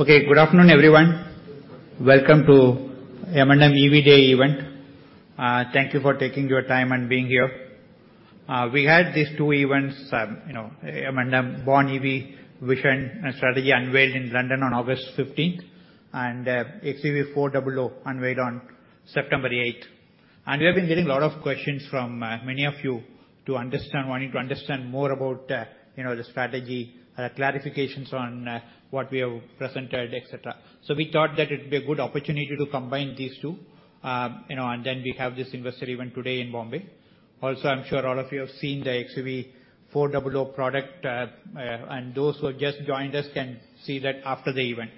Okay, good afternoon, everyone. Welcome to M&M EV Day event. Thank you for taking your time and being here. We had these two events, you know, M&M Born EV vision and strategy unveiled in London on August 15th, and XUV400 unveiled on September 8th. We have been getting a lot of questions from many of you wanting to understand more about, you know, the strategy, clarifications on what we have presented, et cetera. We thought that it'd be a good opportunity to combine these two, you know, and then we have this investor event today in Bombay. Also, I'm sure all of you have seen the XUV400 product, and those who have just joined us can see that after the event.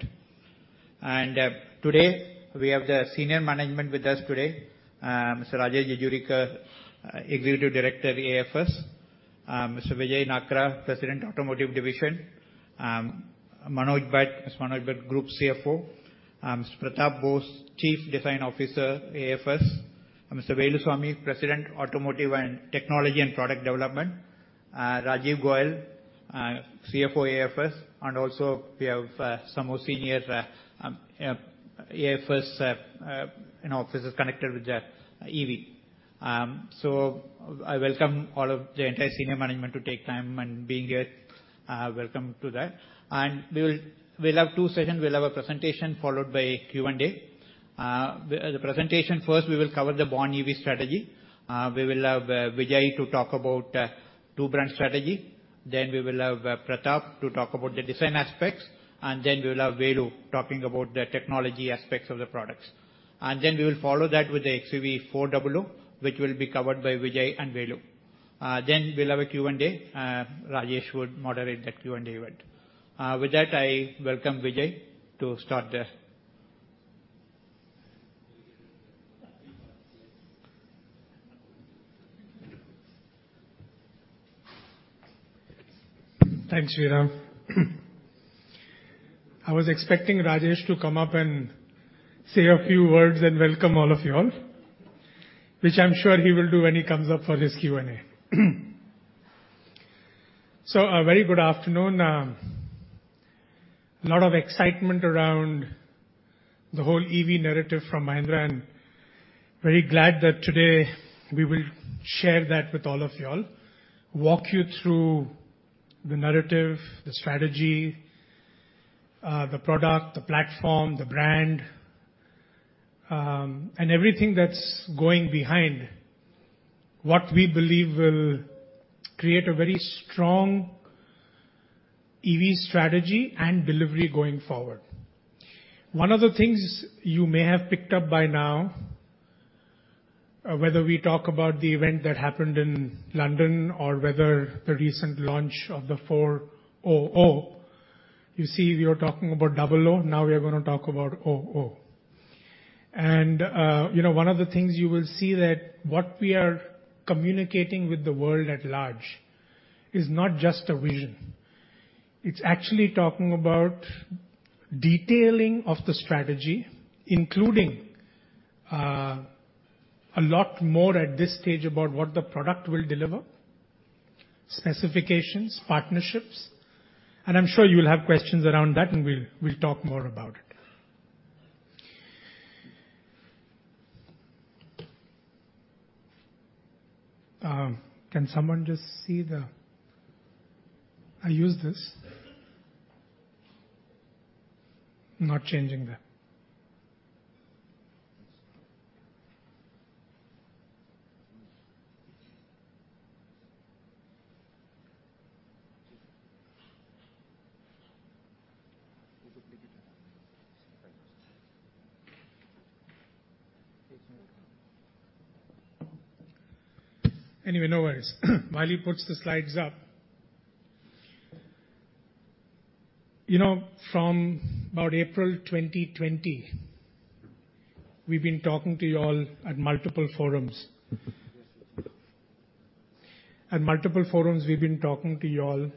Today, we have the senior management with us today, Mr. Rajesh Jejurikar, Executive Director, AFS, Mr. Veejay Nakra, President, Automotive Division, Manoj Bhat, Group CFO, Mr. Pratap Bose, Chief Design Officer, AFS, Mr. Velusamy, President, Automotive Technology & Product Development, Rajeev Goyal, CFO, AFS, and also we have some more senior AFS, you know, officers connected with the EV. I welcome all of the entire senior management to take time and being here. Welcome to that. We'll have two sessions. We'll have a presentation followed by Q&A. The presentation first, we will cover the Born EV strategy. We will have Vijay to talk about two brand strategy. We will have Pratap to talk about the design aspects, and then we will have Velu talking about the technology aspects of the products. We will follow that with the XUV 400, which will be covered by Vijay and Velu. We'll have a Q&A. Rajesh would moderate that Q&A event. With that, I welcome Vijay to start the. Thanks, Sriram. I was expecting Rajesh to come up and say a few words and welcome all of you all, which I'm sure he will do when he comes up for his Q&A. A very good afternoon. A lot of excitement around the whole EV narrative from Mahindra, and very glad that today we will share that with all of y'all, walk you through the narrative, the strategy, the product, the platform, the brand, and everything that's going on behind what we believe will create a very strong EV strategy and delivery going forward. One of the things you may have picked up by now, whether we talk about the event that happened in London or whether the recent launch of the XUV400, you see we were talking about XUV.e8, now we are gonna talk about XUV.e9. You know, one of the things you will see that what we are communicating with the world at large is not just a vision. It's actually talking about detailing of the strategy, including a lot more at this stage about what the product will deliver, specifications, partnerships, and I'm sure you'll have questions around that, and we'll talk more about it. Can someone just see the slides. I use this. Not changing that. Anyway, no worries. While he puts the slides up. You know, from about April 2020, we've been talking to you all at multiple forums. At multiple forums, we've been talking to you all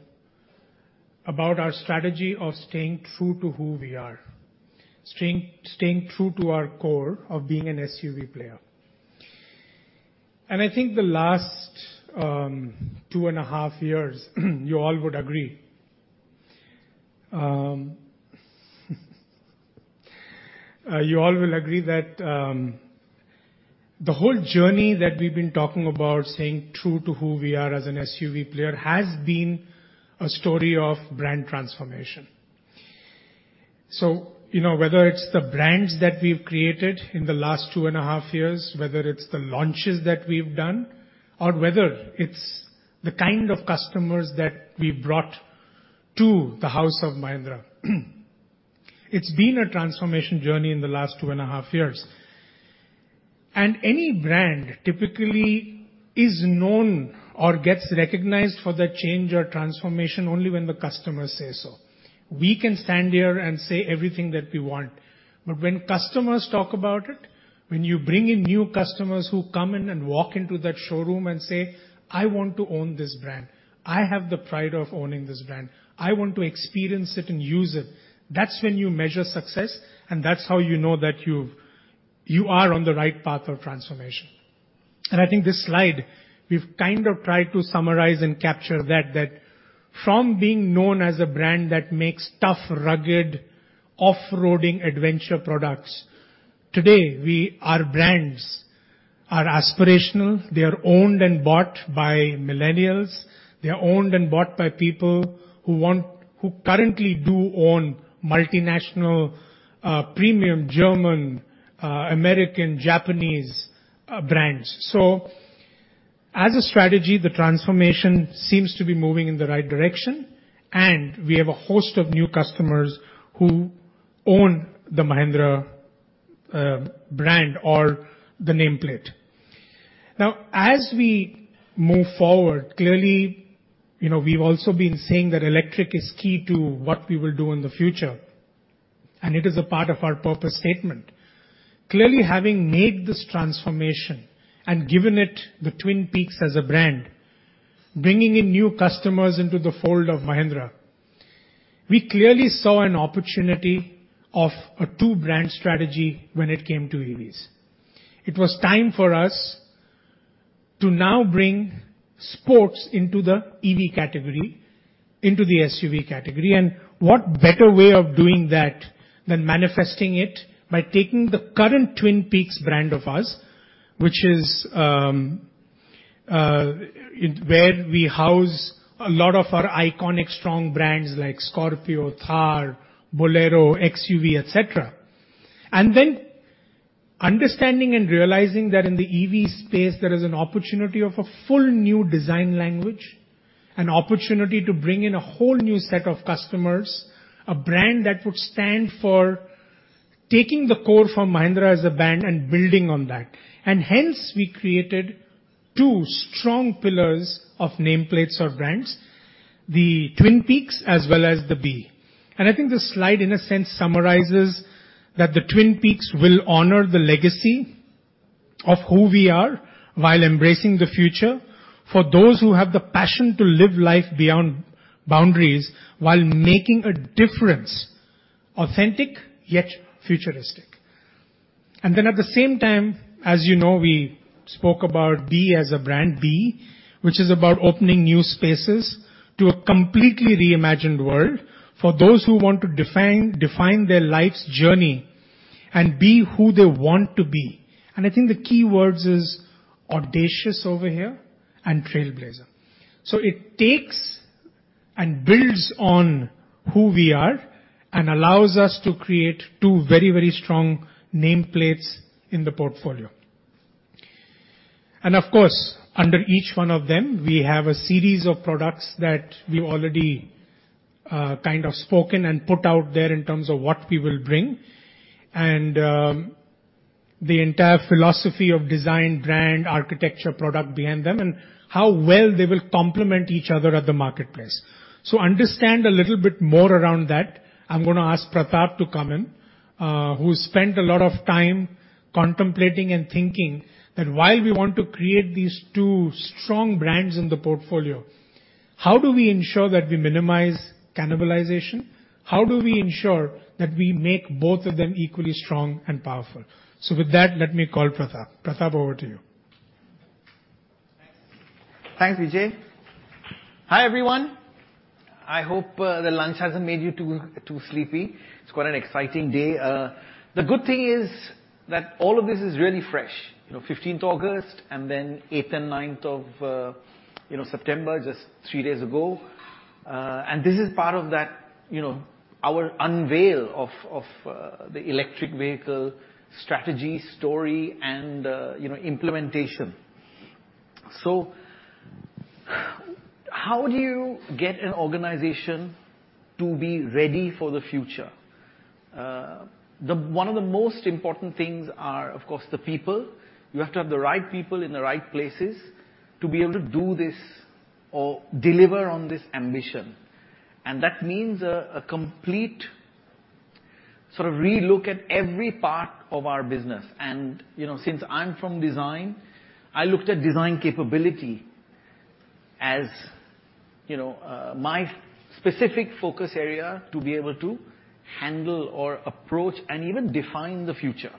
about our strategy of staying true to who we are, staying true to our core of being an SUV player. I think the last two and a half years, you all will agree that the whole journey that we've been talking about staying true to who we are as an SUV player has been a story of brand transformation. You know, whether it's the brands that we've created in the last two and a half years, whether it's the launches that we've done, or whether it's the kind of customers that we brought to the house of Mahindra, it's been a transformation journey in the last two and a half years. Any brand typically is known or gets recognized for the change or transformation only when the customers say so. We can stand here and say everything that we want, but when customers talk about it, when you bring in new customers who come in and walk into that showroom and say, "I want to own this brand. I have the pride of owning this brand. I want to experience it and use it," that's when you measure success, and that's how you know that you are on the right path of transformation. I think this slide, we've kind of tried to summarize and capture that from being known as a brand that makes tough, rugged, off-roading adventure products, today we our brands are aspirational. They are owned and bought by millennials. They are owned and bought by people who currently do own multinational, premium German, American, Japanese, brands. As a strategy, the transformation seems to be moving in the right direction, and we have a host of new customers who own the Mahindra brand or the nameplate. Now, as we move forward, clearly, you know, we've also been saying that electric is key to what we will do in the future, and it is a part of our purpose statement. Clearly, having made this transformation and given it the Twin Peaks as a brand, bringing in new customers into the fold of Mahindra, we clearly saw an opportunity of a two-brand strategy when it came to EVs. It was time for us to now bring sports into the EV category, into the SUV category. What better way of doing that than manifesting it by taking the current Twin Peaks brand of ours, which is, where we house a lot of our iconic strong brands like Scorpio, Thar, Bolero, XUV, et cetera. Then understanding and realizing that in the EV space there is an opportunity of a full new design language, an opportunity to bring in a whole new set of customers, a brand that would stand for taking the core from Mahindra as a brand and building on that. Hence we created two strong pillars of nameplates or brands, the Twin Peaks as well as the BE. I think this slide, in a sense, summarizes that the Twin Peaks will honor the legacy of who we are while embracing the future for those who have the passion to live life beyond boundaries while making a difference, authentic yet futuristic. At the same time, as you know, we spoke about BE as a brand. BE, which is about opening new spaces to a completely reimagined world for those who want to define their life's journey and be who they want to be. I think the key words is audacious over here and trailblazer. It takes and builds on who we are and allows us to create two very, very strong nameplates in the portfolio. Of course, under each one of them, we have a series of products that we've already kind of spoken and put out there in terms of what we will bring and the entire philosophy of design, brand, architecture, product behind them, and how well they will complement each other at the marketplace. Understand a little bit more around that, I'm gonna ask Pratap to come in, who's spent a lot of time contemplating and thinking that while we want to create these two strong brands in the portfolio, how do we ensure that we minimize cannibalization? How do we ensure that we make both of them equally strong and powerful? With that, let me call Pratap. Pratap, over to you. Thanks. Thanks, Vijay. Hi, everyone. I hope the lunch hasn't made you too sleepy. It's quite an exciting day. The good thing is that all of this is really fresh. You know, 15th August, and then 8th and 9th of September, just 3 days ago. And this is part of that, you know, our unveil of the electric vehicle strategy, story and implementation. So how do you get an organization to be ready for the future? One of the most important things are, of course, the people. You have to have the right people in the right places to be able to do this or deliver on this ambition. That means a complete sort of relook at every part of our business. You know, since I'm from design, I looked at design capability as, you know, my specific focus area to be able to handle or approach and even define the future.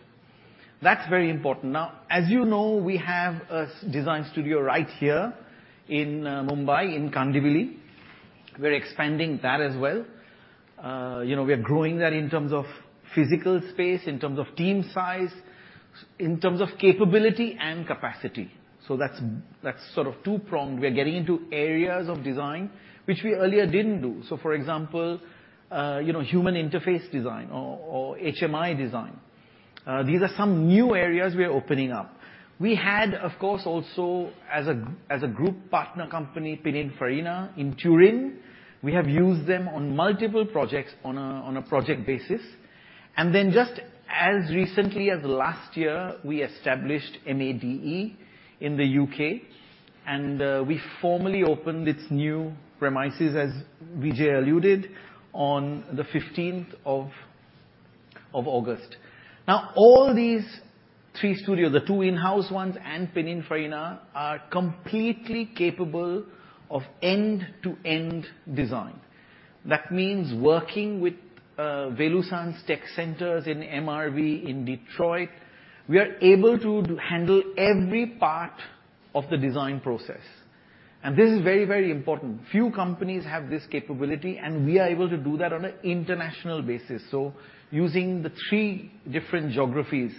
That's very important. Now, as you know, we have a design studio right here in Mumbai, in Kandivali. We're expanding that as well. You know, we are growing that in terms of physical space, in terms of team size, in terms of capability and capacity. So that's sort of two-pronged. We are getting into areas of design which we earlier didn't do. So for example, you know, human interface design or HMI design. These are some new areas we are opening up. We had, of course, also as a group partner company, Pininfarina in Turin. We have used them on multiple projects on a project basis. Just as recently as last year, we established MADE in the U.K., and we formally opened its new premises, as Vijay alluded, on the 15th of August. Now, all these three studios, the two in-house ones and Pininfarina are completely capable of end-to-end design. That means working with Velusamy's tech centers in MRV in Detroit, we are able to handle every part of the design process. This is very, very important. Few companies have this capability, and we are able to do that on an international basis. Using the three different geographies.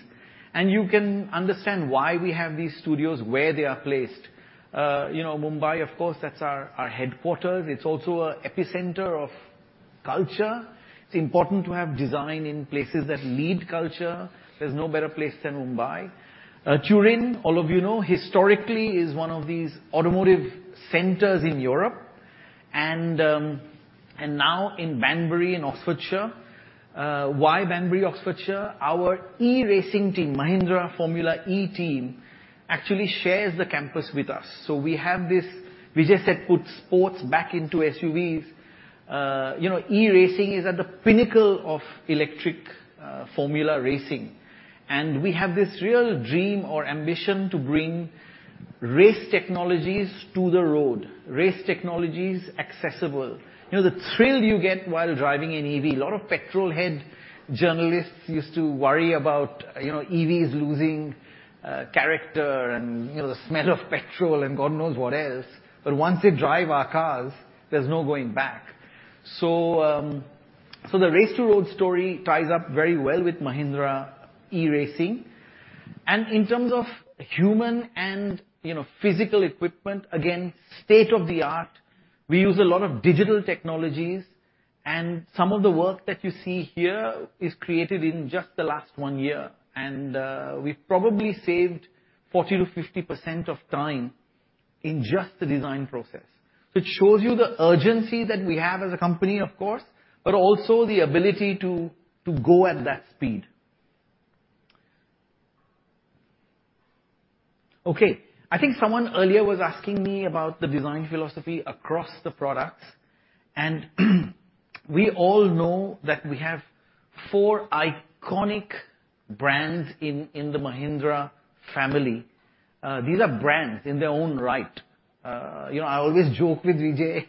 You can understand why we have these studios where they are placed. You know, Mumbai, of course, that's our headquarters. It's also an epicenter of culture. It's important to have design in places that lead culture. There's no better place than Mumbai. Turin, all of you know, historically is one of these automotive centers in Europe and now in Banbury, in Oxfordshire. Why Banbury, Oxfordshire? Our eRacing team, Mahindra Formula E team, actually shares the campus with us. We have this. Vijay said, put sports back into SUVs. You know, eRacing is at the pinnacle of electric formula racing. We have this real dream or ambition to bring race technologies to the road, race technologies accessible. You know, the thrill you get while driving an EV, a lot of petrol head journalists used to worry about, you know, EVs losing character and the smell of petrol and God knows what else. Once they drive our cars, there's no going back. The race to road story ties up very well with Mahindra eRacing and in terms of human and physical equipment, again, state-of-the-art. We use a lot of digital technologies, and some of the work that you see here is created in just the last one year. We've probably saved 40%-50% of time in just the design process, which shows you the urgency that we have as a company, of course, but also the ability to go at that speed. Okay. I think someone earlier was asking me about the design philosophy across the products, and we all know that we have four iconic brands in the Mahindra family. These are brands in their own right. You know, I always joke with Vijay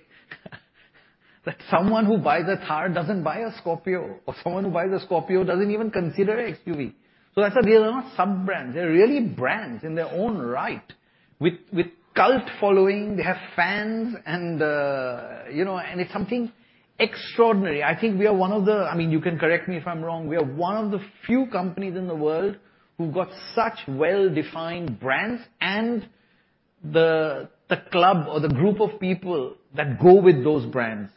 that someone who buys a Thar doesn't buy a Scorpio or someone who buys a Scorpio doesn't even consider an XUV. That's they are not sub-brands. They're really brands in their own right with cult following. They have fans and, you know, and it's something extraordinary. I think we are one of the. I mean, you can correct me if I'm wrong, we are one of the few companies in the world who've got such well-defined brands and the club or the group of people that go with those brands.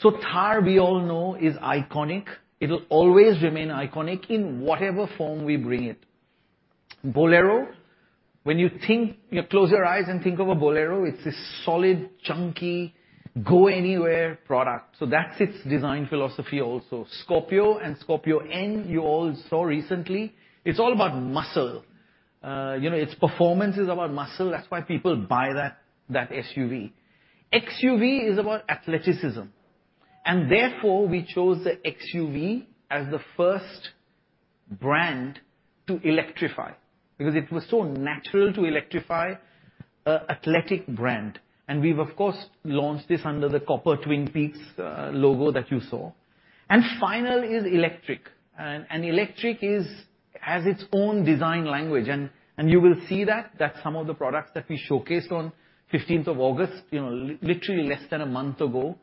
Thar, we all know, is iconic. It'll always remain iconic in whatever form we bring it. Bolero, you close your eyes and think of a Bolero, it's this solid, chunky, go anywhere product. That's its design philosophy also. Scorpio and Scorpio N you all saw recently. It's all about muscle. You know, its performance is about muscle. That's why people buy that SUV. XUV is about athleticism and therefore we chose the XUV as the first brand to electrify because it was so natural to electrify an athletic brand. We've of course launched this under the Copper Twin Peaks logo that you saw. Final is electric. Electric has its own design language. You will see that some of the products that we showcased on 15th of August, you know, literally less than a month ago,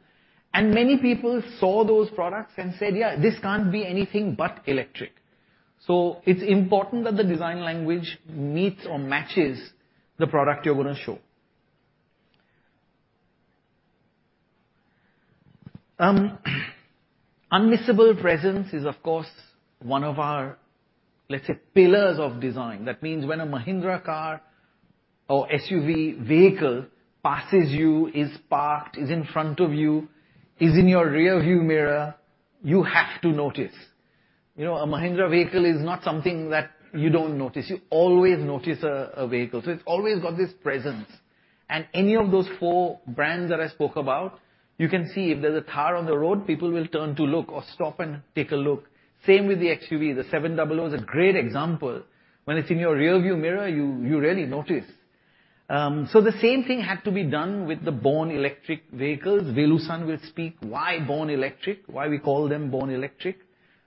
and many people saw those products and said, "Yeah, this can't be anything but electric." It's important that the design language meets or matches the product you're gonna show. Unmissable presence is of course one of our, let's say, pillars of design. That means when a Mahindra car or SUV vehicle passes you, is parked, is in front of you, is in your rearview mirror, you have to notice. You know, a Mahindra vehicle is not something that you don't notice. You always notice a vehicle, so it's always got this presence. Any of those four brands that I spoke about, you can see if there's a Thar on the road, people will turn to look or stop and take a look. Same with the XUV. The XUV700 is a great example. When it's in your rearview mirror, you really notice. So the same thing had to be done with the Born Electric vehicles. Velusamy will speak why Born Electric, why we call them Born Electric.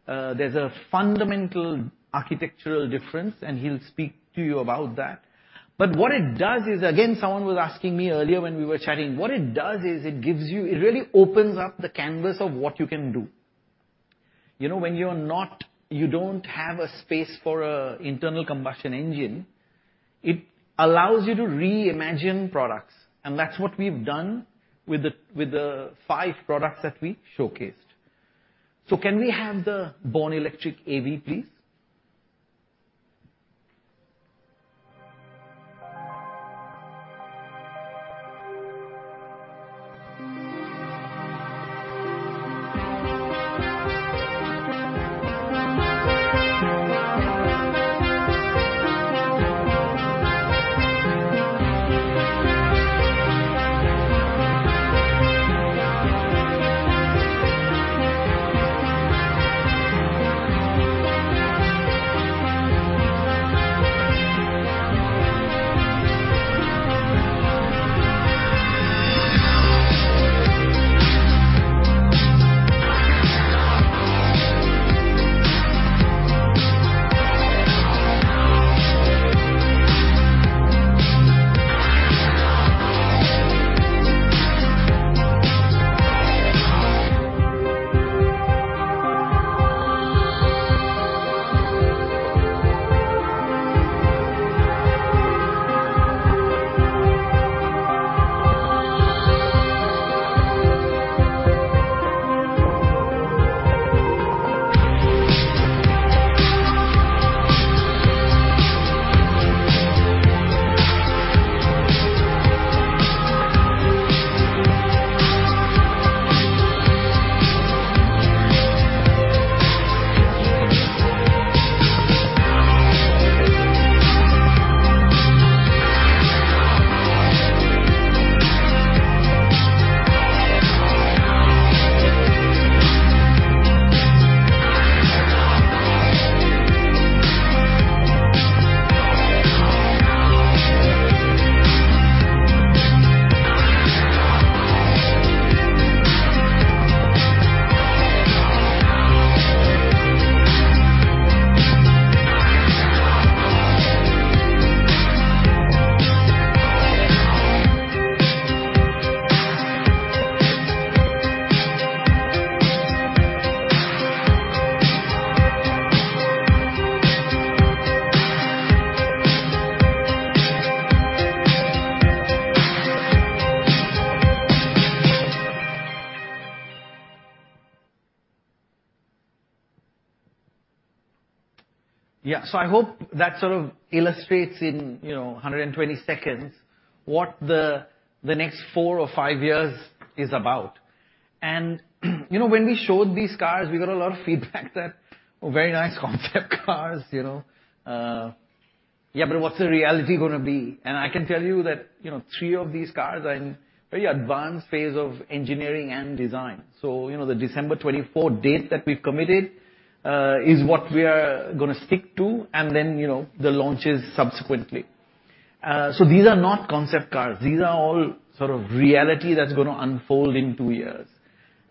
There's a fundamental architectural difference, and he'll speak to you about that. What it does is, again, someone was asking me earlier when we were chatting, what it does is it gives you it really opens up the canvas of what you can do. You know, when you're not you don't have a space for a internal combustion engine, it allows you to reimagine products and that's what we've done with the, with the five products that we showcased. Can we have the Born EV, please? Yeah. I hope that sort of illustrates in, you know, 120 seconds what the next four or five years is about. You know, when we showed these cars, we got a lot of feedback that, "Oh, very nice concept cars," you know? Yeah, but what's the reality gonna be?" I can tell you that, you know, three of these cars are in very advanced phase of engineering and design. You know, the December 24th, 2024 date that we've committed is what we are gonna stick to and then, you know, the launches subsequently. These are not concept cars. These are all sort of reality that's gonna unfold in two years.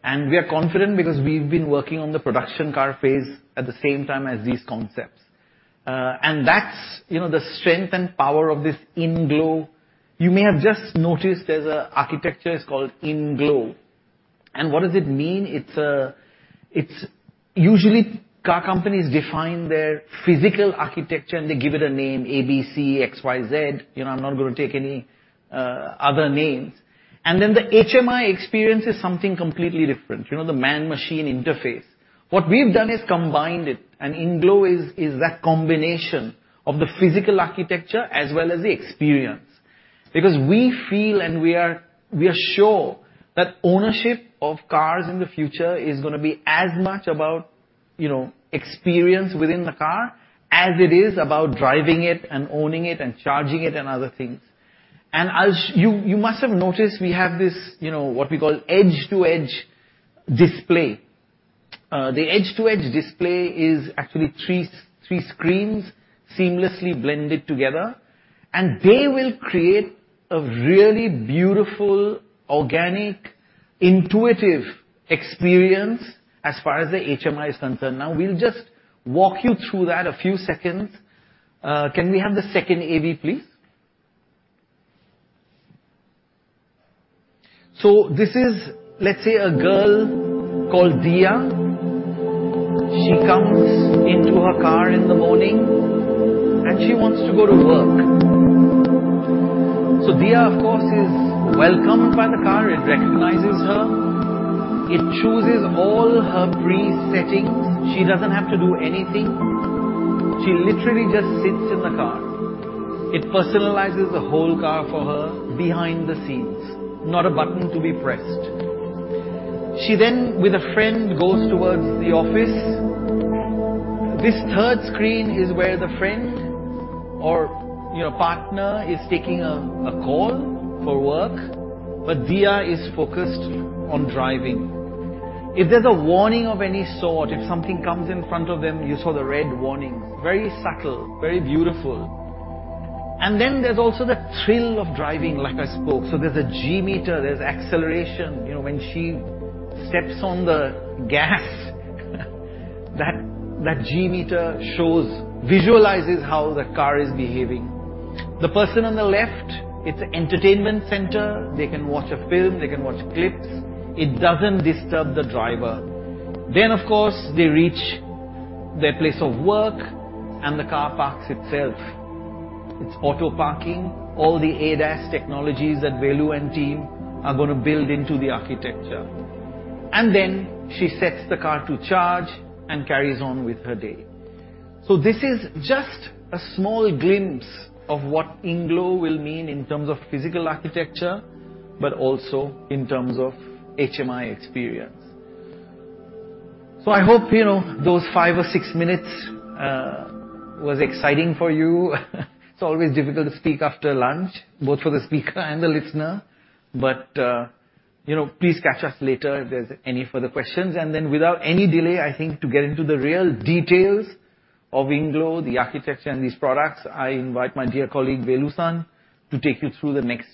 We are confident because we've been working on the production car phase at the same time as these concepts. That's, you know, the strength and power of this INGLO. You may have just noticed there's a architecture is called INGLO. What does it mean? It's usually car companies define their physical architecture, and they give it a name A, B, C, X, Y, Z. You know, I'm not gonna take any other names. Then the HMI experience is something completely different. You know, the man-machine interface. What we've done is combined it, and INGLO is that combination of the physical architecture as well as the experience. Because we feel, and we are sure that ownership of cars in the future is gonna be as much about, you know, experience within the car as it is about driving it and owning it and charging it and other things. As you must have noticed, we have this, you know, what we call edge-to-edge display. The edge-to-edge display is actually three screens seamlessly blended together, and they will create a really beautiful, organic, intuitive experience as far as the HMI is concerned. Now, we'll just walk you through that in a few seconds. Can we have the second AV, please? This is, let's say, a girl called Dia. She comes into her car in the morning, and she wants to go to work. Dia, of course, is welcomed by the car. It recognizes her. It chooses all her pre-settings. She doesn't have to do anything. She literally just sits in the car. It personalizes the whole car for her behind the scenes, not a button to be pressed. She, with a friend, goes towards the office. This third screen is where the friend or, you know, partner is taking a call for work, but Dia is focused on driving. If there's a warning of any sort, if something comes in front of them, you saw the red warnings, very subtle, very beautiful. There's also the thrill of driving, like I spoke. There's a G-meter, there's acceleration. You know, when she steps on the gas, that G-meter shows, visualizes how the car is behaving. The person on the left, it's an entertainment center. They can watch a film. They can watch clips. It doesn't disturb the driver. Then, of course, they reach their place of work, and the car parks itself. It's auto parking. All the ADAS technologies that Velu and team are gonna build into the architecture. She sets the car to charge and carries on with her day. This is just a small glimpse of what INGLO will mean in terms of physical architecture, but also in terms of HMI experience. I hope, you know, those five or six minutes was exciting for you. It's always difficult to speak after lunch, both for the speaker and the listener. You know, please catch us later if there's any further questions. Then without any delay, I think, to get into the real details of INGLO, the architecture, and these products, I invite my dear colleague, Velusamy, to take you through the next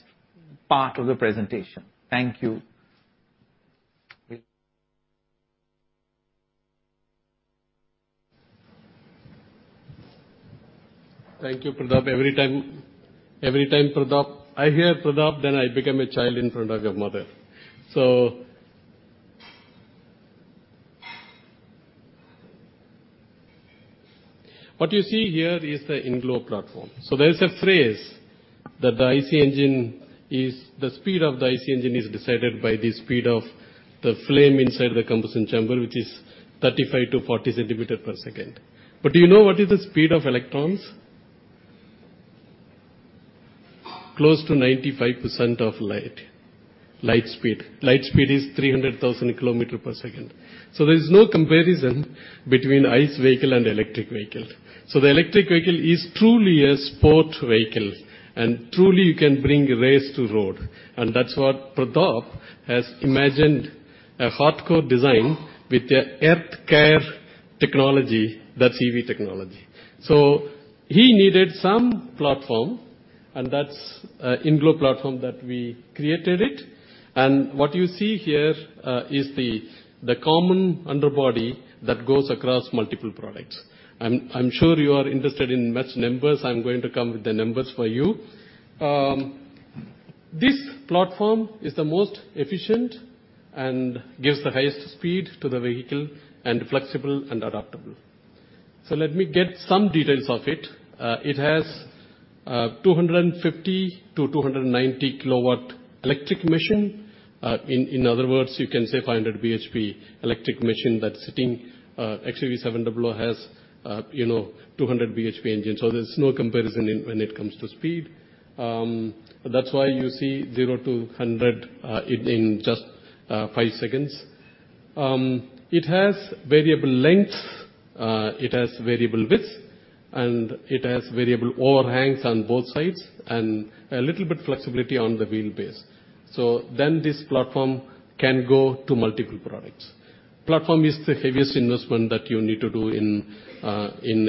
part of the presentation. Thank you. Velu. Thank you, Pratap. Every time Pratap, I hear Pratap, then I become a child in front of your mother. What you see here is the INGLO platform. There is a phrase that the speed of the ICE engine is decided by the speed of the flame inside the combustion chamber, which is 35 cm-40 cm per second. Do you know what is the speed of electrons? Close to 95% of light speed. Light speed is 300,000 km per second. There is no comparison between ICE vehicle and electric vehicle. The electric vehicle is truly a sport vehicle, and truly you can bring race to road. That's what Pratap has imagined, a hardcore design with the Heartcore technology, that's EV technology. He needed some platform, and that's INGLO platform that we created it. What you see here is the common underbody that goes across multiple products. I'm sure you are interested in many numbers. I'm going to come with the numbers for you. This platform is the most efficient and gives the highest speed to the vehicle, and flexible and adaptable. Let me get some details of it. It has 250 kW-290 kW electric machine. In other words, you can say 500 BHP electric machine that's sitting. Actually XUV700 has, you know, 200 BHP engine, so there's no comparison when it comes to speed. That's why you see 0-100 in just 5 seconds. It has variable lengths, it has variable widths, and it has variable overhangs on both sides, and a little bit flexibility on the wheelbase. This platform can go to multiple products. Platform is the heaviest investment that you need to do in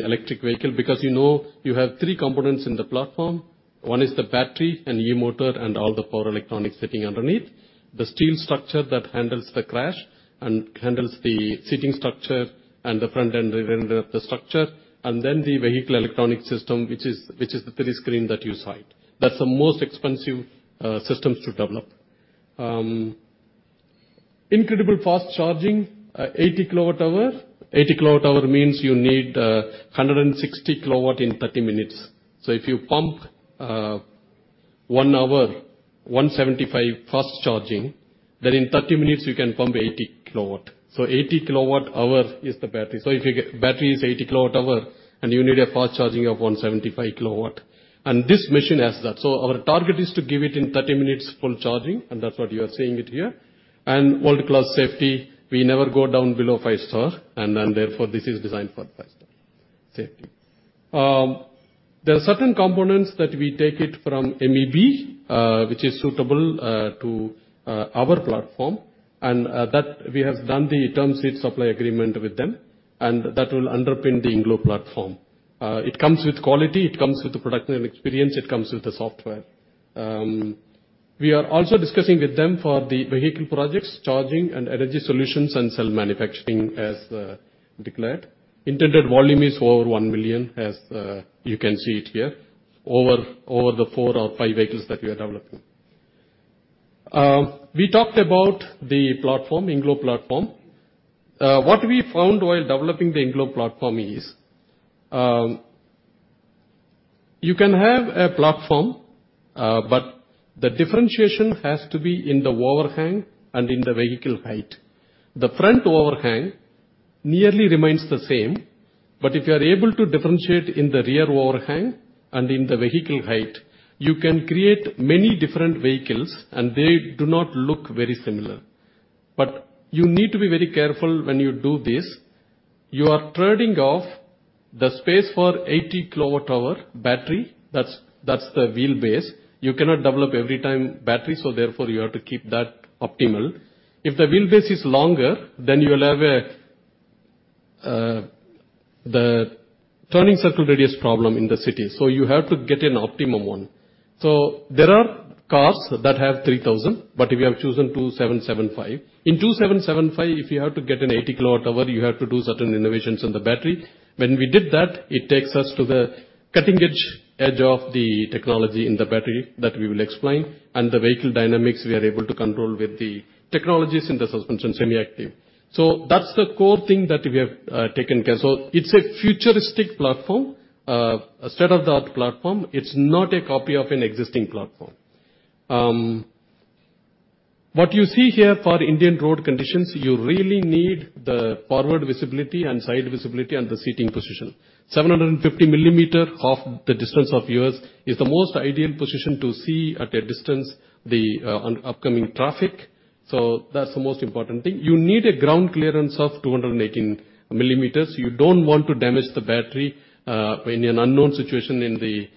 electric vehicle because, you know, you have three components in the platform. One is the battery and e-motor and all the power electronics sitting underneath. The steel structure that handles the crash and handles the sitting structure and the front end and the rear end of the structure, and then the vehicle electronic system, which is the three screen that you saw it. That's the most expensive systems to develop. Incredible fast charging, 80 kWh. 80 kWh means you need 160 kW in 30 minutes. If you pump one hour, 175 fast charging, then in 30 minutes you can pump 80 kW. 80 kWh is the battery. If you get battery is 80 kWh and you need a fast charging of 175 kW, and this machine has that. Our target is to give it in 30 minutes full charging, and that's what you are seeing it here. World-class safety, we never go down below five-star and then, therefore, this is designed for five-star safety. There are certain components that we take it from MEB, which is suitable to our platform, and that we have done the term sheet supply agreement with them, and that will underpin the INGLO platform. It comes with quality, it comes with the production and experience, it comes with the software. We are also discussing with them for the vehicle projects, charging and energy solutions, and cell manufacturing as declared. Intended volume is over 1 million, as you can see it here, over the 4 vehicles or 5 vehicles that we are developing. We talked about the platform, INGLO platform. What we found while developing the INGLO platform is you can have a platform, but the differentiation has to be in the overhang and in the vehicle height. The front overhang nearly remains the same, but if you are able to differentiate in the rear overhang and in the vehicle height, you can create many different vehicles, and they do not look very similar. You need to be very careful when you do this. You are trading off the space for 80 kWh battery. That's the wheelbase. You cannot develop every time battery, so therefore, you have to keep that optimal. If the wheelbase is longer, then you will have the turning circle radius problem in the city, so you have to get an optimum one. There are cars that have 3,000, but we have chosen 2,775. In 2,775 if you have to get an 80 kWh, you have to do certain innovations on the battery. When we did that, it takes us to the cutting edge of the technology in the battery that we will explain, and the vehicle dynamics we are able to control with the technologies in the suspension semi-active. That's the core thing that we have taken care. It's a futuristic platform, a state-of-the-art platform. It's not a copy of an existing platform. What you see here for Indian road conditions, you really need the forward visibility and side visibility and the seating position. 750 mm of the distance of yours is the most ideal position to see at a distance the upcoming traffic. That's the most important thing. You need a ground clearance of 218 mm. You don't want to damage the battery when in unknown situation in the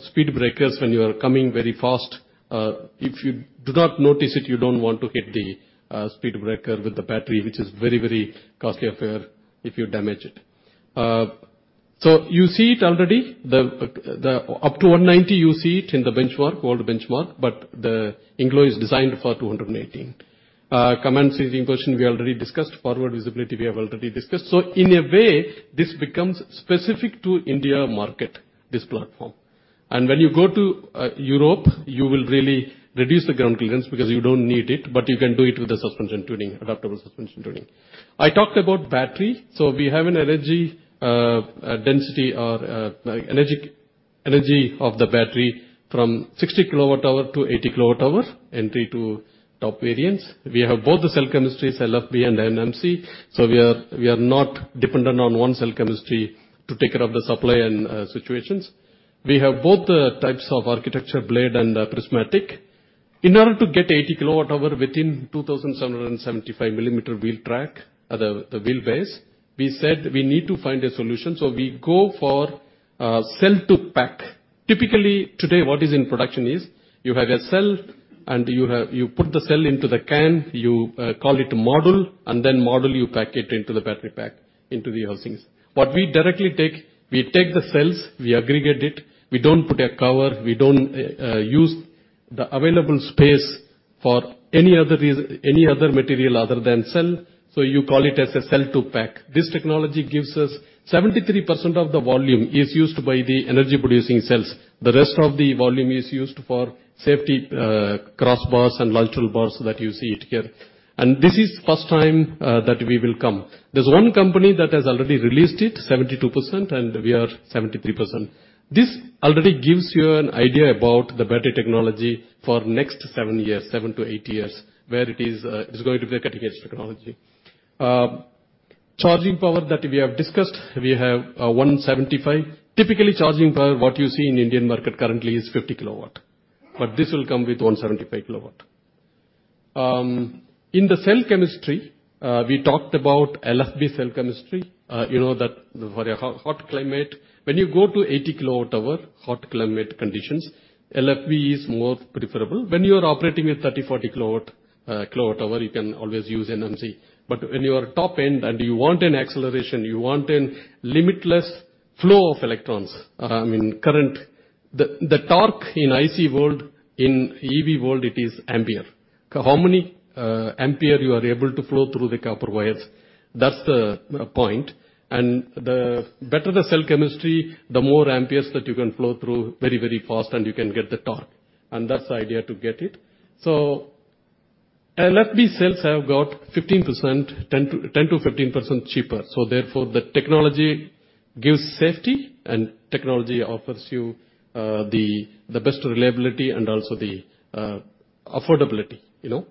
speed breakers when you are coming very fast. If you do not notice it, you don't want to hit the speed breaker with the battery, which is very, very costly affair. If you damage it. You see it already, up to 190, you see it in the benchmark, world benchmark, but the INGLO is designed for 218. Command seating position, we already discussed. Forward visibility, we have already discussed. In a way, this becomes specific to India market, this platform. When you go to Europe, you will really reduce the ground clearance because you don't need it, but you can do it with the suspension tuning, adaptable suspension tuning. I talked about battery. We have an energy density or like energy of the battery from 60 kWh to 80 kWh, entry to top variants. We have both the cell chemistries, LFP and NMC, so we are not dependent on one cell chemistry to take care of the supply and situations. We have both the types of architecture, blade and prismatic. In order to get 80 kWh within 2,775 mm wheel track, the wheelbase, we said we need to find a solution, so we go for cell-to-pack. Typically, today, what is in production is you have a cell and you have. You put the cell into the can, you call it a module, and then module, you pack it into the battery pack, into the housings. What we directly take, we take the cells, we aggregate it, we don't put a cover, we don't use the available space for any other reason, any other material other than cell, so you call it as a cell-to-pack. This technology gives us 73% of the volume is used by the energy-producing cells. The rest of the volume is used for safety, crossbars and longitudinal bars that you see it here. This is first time that we will come. There's one company that has already released it, 72%, and we are 73%. This already gives you an idea about the battery technology for next 7 years, 7-8 years, where it is going to be a cutting-edge technology. Charging power that we have discussed, we have 175. Typically, charging power, what you see in Indian market currently is 50 kW, but this will come with 175 kW. In the cell chemistry, we talked about LFP cell chemistry, you know, that for a hot climate. When you go to 80 kWh, hot climate conditions, LFP is more preferable. When you are operating with 30-40 kWh, you can always use NMC. When you are top-end and you want acceleration, you want a limitless flow of electrons in current. The torque in ICE world, in EV world, it is ampere. How many ampere you are able to flow through the copper wires, that's the point. The better the cell chemistry, the more amperes that you can flow through very, very fast and you can get the torque, and that's the idea to get it. LFP cells have got 10%-15% cheaper. Therefore, the technology gives safety and technology offers you the best reliability and also the affordability, you know.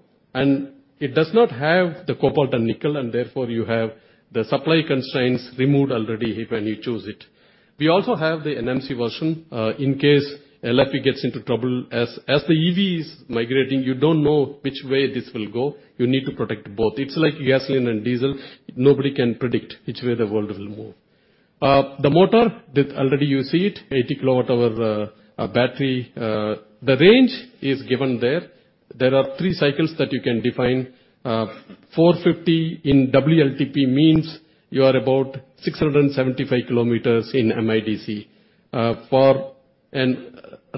It does not have the cobalt and nickel, and therefore you have the supply constraints removed already when you choose it. We also have the NMC version in case LFP gets into trouble. As the EV is migrating, you don't know which way this will go. You need to protect both. It's like gasoline and diesel. Nobody can predict which way the world will move. The motor that already you see it, 80 kWh battery. The range is given there. There are three cycles that you can define. 450 in WLTP means you are about 675 km in MIDC. For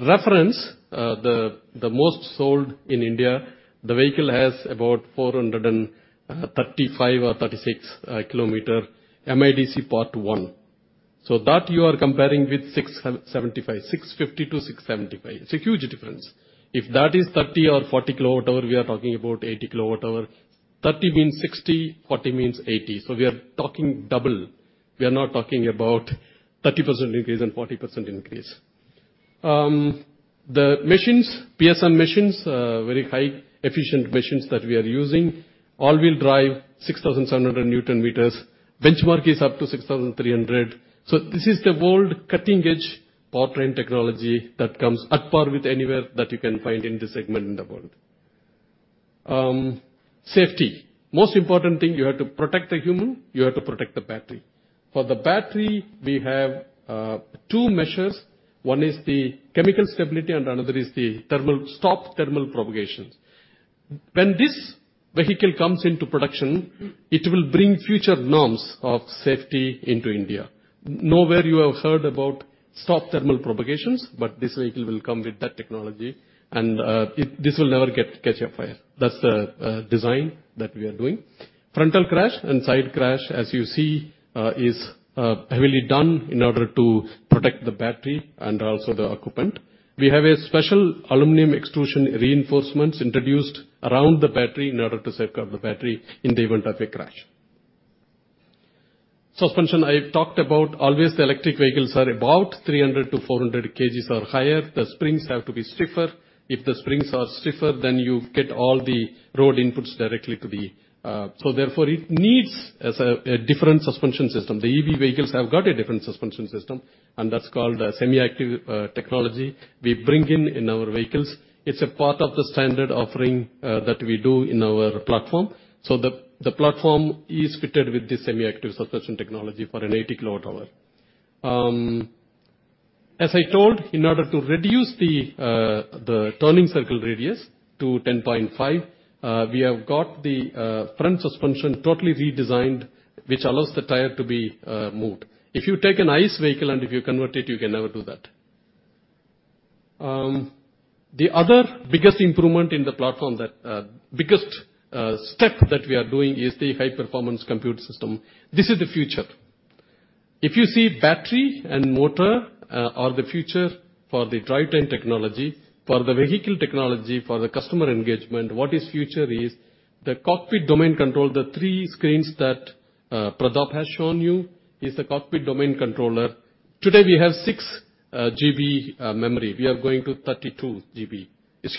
reference, the most sold in India, the vehicle has about 435 km or 436 km MIDC part one. That you are comparing with 675, 650-675. It's a huge difference. If that is 30 or 40 kWh, we are talking about 80 kWh. 30 means 60, 40 means 80. We are talking double. We are not talking about 30% increase and 40% increase. The machines, PSM machines, very high efficient machines that we are using. All-wheel drive, 6,700 newton-meters. Benchmark is up to 6,300. This is the world cutting-edge powertrain technology that comes at par with anywhere that you can find in this segment in the world. Safety. Most important thing, you have to protect the human, you have to protect the battery. For the battery, we have two measures. One is the chemical stability, and another is the stop thermal propagations. When this vehicle comes into production, it will bring future norms of safety into India. Nowhere you have heard about stop thermal propagations, but this vehicle will come with that technology, and this will never catch a fire. That's the design that we are doing. Frontal crash and side crash, as you see, is heavily done in order to protect the battery and also the occupant. We have a special aluminum extrusion reinforcements introduced around the battery in order to secure the battery in the event of a crash. Suspension, I talked about always the electric vehicles are about 300 kgs-400 kgs or higher. The springs have to be stiffer. If the springs are stiffer, then you get all the road inputs directly to the. Therefore, it needs a different suspension system. The EV vehicles have got a different suspension system, and that's called a semi-active technology we bring in in our vehicles. It's a part of the standard offering that we do in our platform. The platform is fitted with this semi-active suspension technology for an 80 kWh. As I told, in order to reduce the turning circle radius to 10.5, we have got the front suspension totally redesigned, which allows the tire to be moved. If you take an ICE vehicle and if you convert it, you can never do that. The other biggest improvement in the platform that biggest step that we are doing is the high-performance compute system. This is the future. If you see battery and motor are the future for the drivetrain technology, for the vehicle technology, for the customer engagement, what is future is the cockpit domain controller. The three screens that Pratap Bose has shown you is the cockpit domain controller. Today, we have 6 GB memory. We are going to 32 GB. It's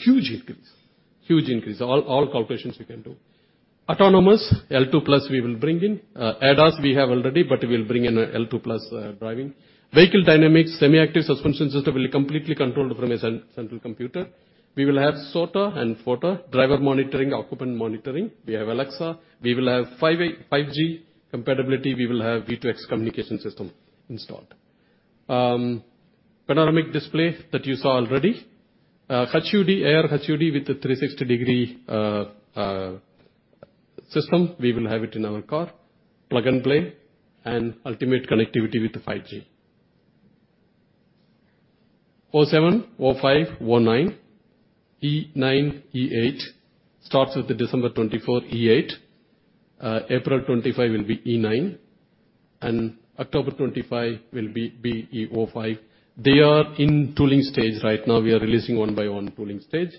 huge increase. All calculations we can do. Autonomous L2+ we will bring in. ADAS we have already, but we'll bring in a L2+ driving. Vehicle dynamics, semi-active suspension system will be completely controlled from a central computer. We will have SOTA and FOTA, driver monitoring, occupant monitoring. We have Alexa. We will have 5G compatibility. We will have V2X communication system installed. Panoramic display that you saw already. HUD, ARHUD with a 360-degree system. We will have it in our car. Plug and play and ultimate connectivity with the 5G. BE.07 BE.05 BE.09 e9 e8 starts with the December 24th, 2024, e8. April 2025 will be e9, and October 2025 will be BE.05. They are in tooling stage right now. We are releasing one by one tooling stage.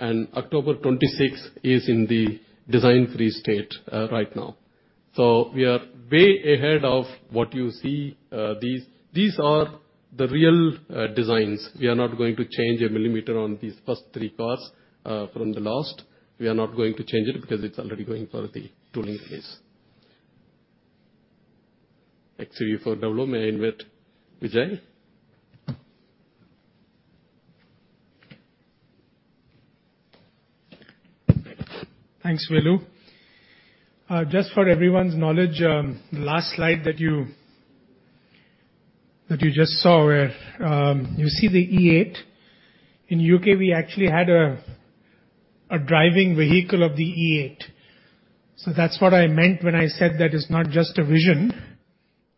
October twenty-sixth is in the design freeze state, right now. We are way ahead of what you see. These are the real designs. We are not going to change a millimeter on these first three cars from the last. We are not going to change it because it's already going for the tooling phase. XUV400, may I invite Vijay? Thanks, Velu. Just for everyone's knowledge, the last slide that you just saw where you see the XUV.e8. In U.K., we actually had a driving vehicle of the XUV.e8. So that's what I meant when I said that it's not just a vision,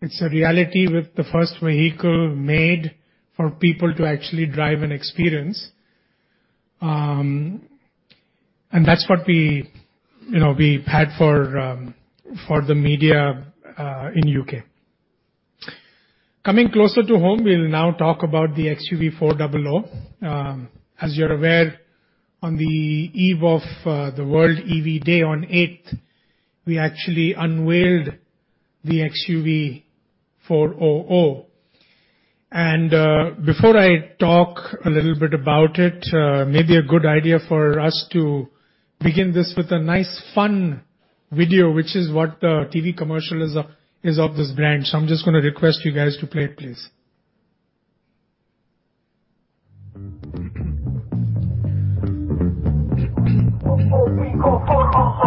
it's a reality with the first vehicle made for people to actually drive and experience. That's what we, you know, we had for the media in U.K. Coming closer to home, we'll now talk about the XUV400. As you're aware, on the eve of the World EV Day on 9th, we actually unveiled the XUV400. Before I talk a little bit about it, maybe a good idea for us to begin this with a nice fun video, which is what the TV commercial is of this brand. I'm just gonna request you guys to play it, please. XUV 400. XUV go, we go. We running on the street. We going for the race. We the best, let's cut to the chase. XUV 400. Electric is the craze. Live big, just feel the space. Jump in, on the base. XUV 400. X-U-V. We go, we fly. We love, we ride. On your desire. XUV 400. XUV go, we go. XUV 400, we run. XUV 400, we love. XUV go, we go. XUV 400. XUV go, we go. We go. You can see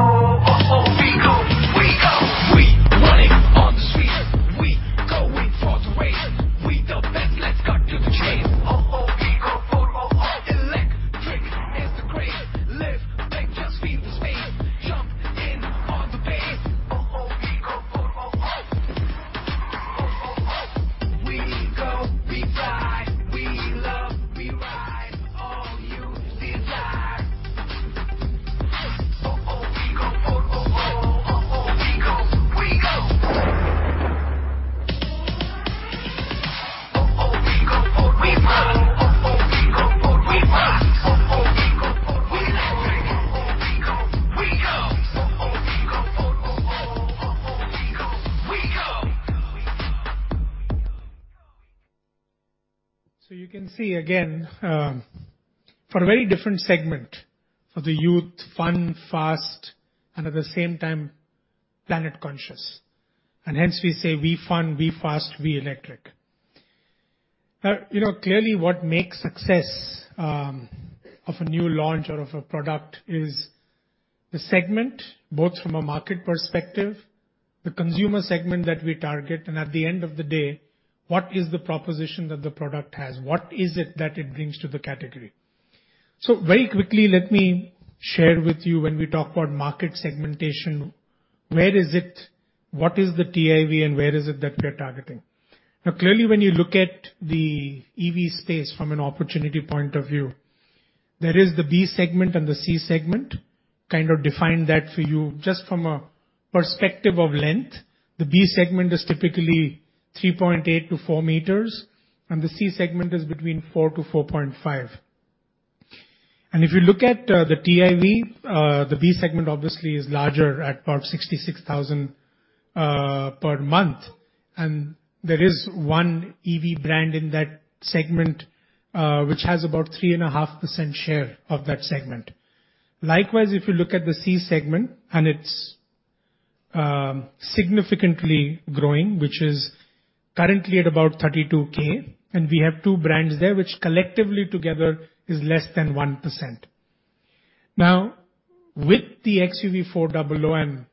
again, for a very different segment. For the youth, fun, fast, and at the same time, planet conscious. Hence we say, "We fun, we fast, we electric." Now, you know, clearly what makes success of a new launch or of a product is the segment, both from a market perspective, the consumer segment that we target, and at the end of the day, what is the proposition that the product has? What is it that it brings to the category? Very quickly, let me share with you when we talk about market segmentation, where is it, what is the TIV and where is it that we're targeting? Now, clearly, when you look at the EV space from an opportunity point of view, there is the B segment and the C segment. Kind of define that for you just from a perspective of length. The B segment is typically 3.8 meters-4 meters, and the C segment is between 4-4.5. If you look at the TIV, the B segment obviously is larger at about 66,000 per month. There is one EV brand in that segment, which has about 3.5% share of that segment. Likewise, if you look at the C segment, it's significantly growing, which is currently at about 32,000. We have two brands there, which collectively together is less than 1%. Now, with the XUV400,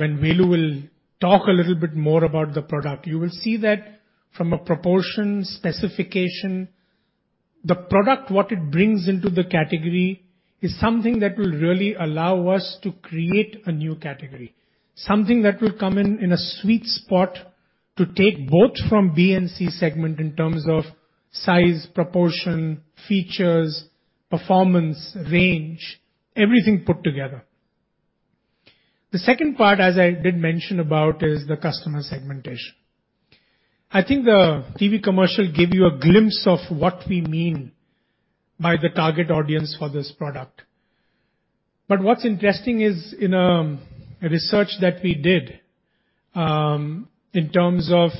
when Velu will talk a little bit more about the product, you will see that from a proportion specification, the product, what it brings into the category is something that will really allow us to create a new category. Something that will come in a sweet spot to take both from B and C segment in terms of size, proportion, features, performance, range, everything put together. The second part, as I did mention about, is the customer segmentation. I think the TV commercial gave you a glimpse of what we mean by the target audience for this product. What's interesting is in a research that we did in terms of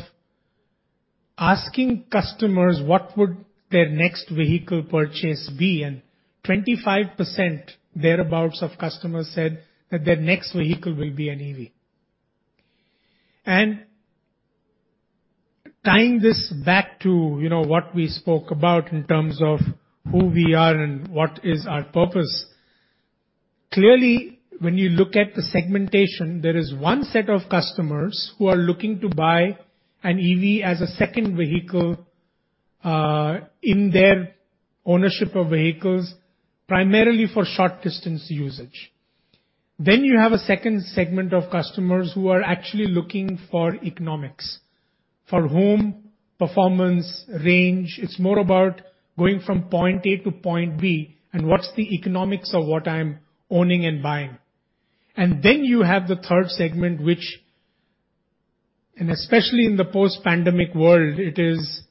asking customers what would their next vehicle purchase be, and 25% thereabouts of customers said that their next vehicle will be an EV. Tying this back to, you know, what we spoke about in terms of who we are and what is our purpose, clearly, when you look at the segmentation, there is one set of customers who are looking to buy an EV as a second vehicle in their ownership of vehicles, primarily for short distance usage. Then you have a second segment of customers who are actually looking for economics, for home, performance, range. It's more about going from point A to point B, and what's the economics of what I'm owning and buying. Then you have the third segment, and especially in the post-pandemic world, it is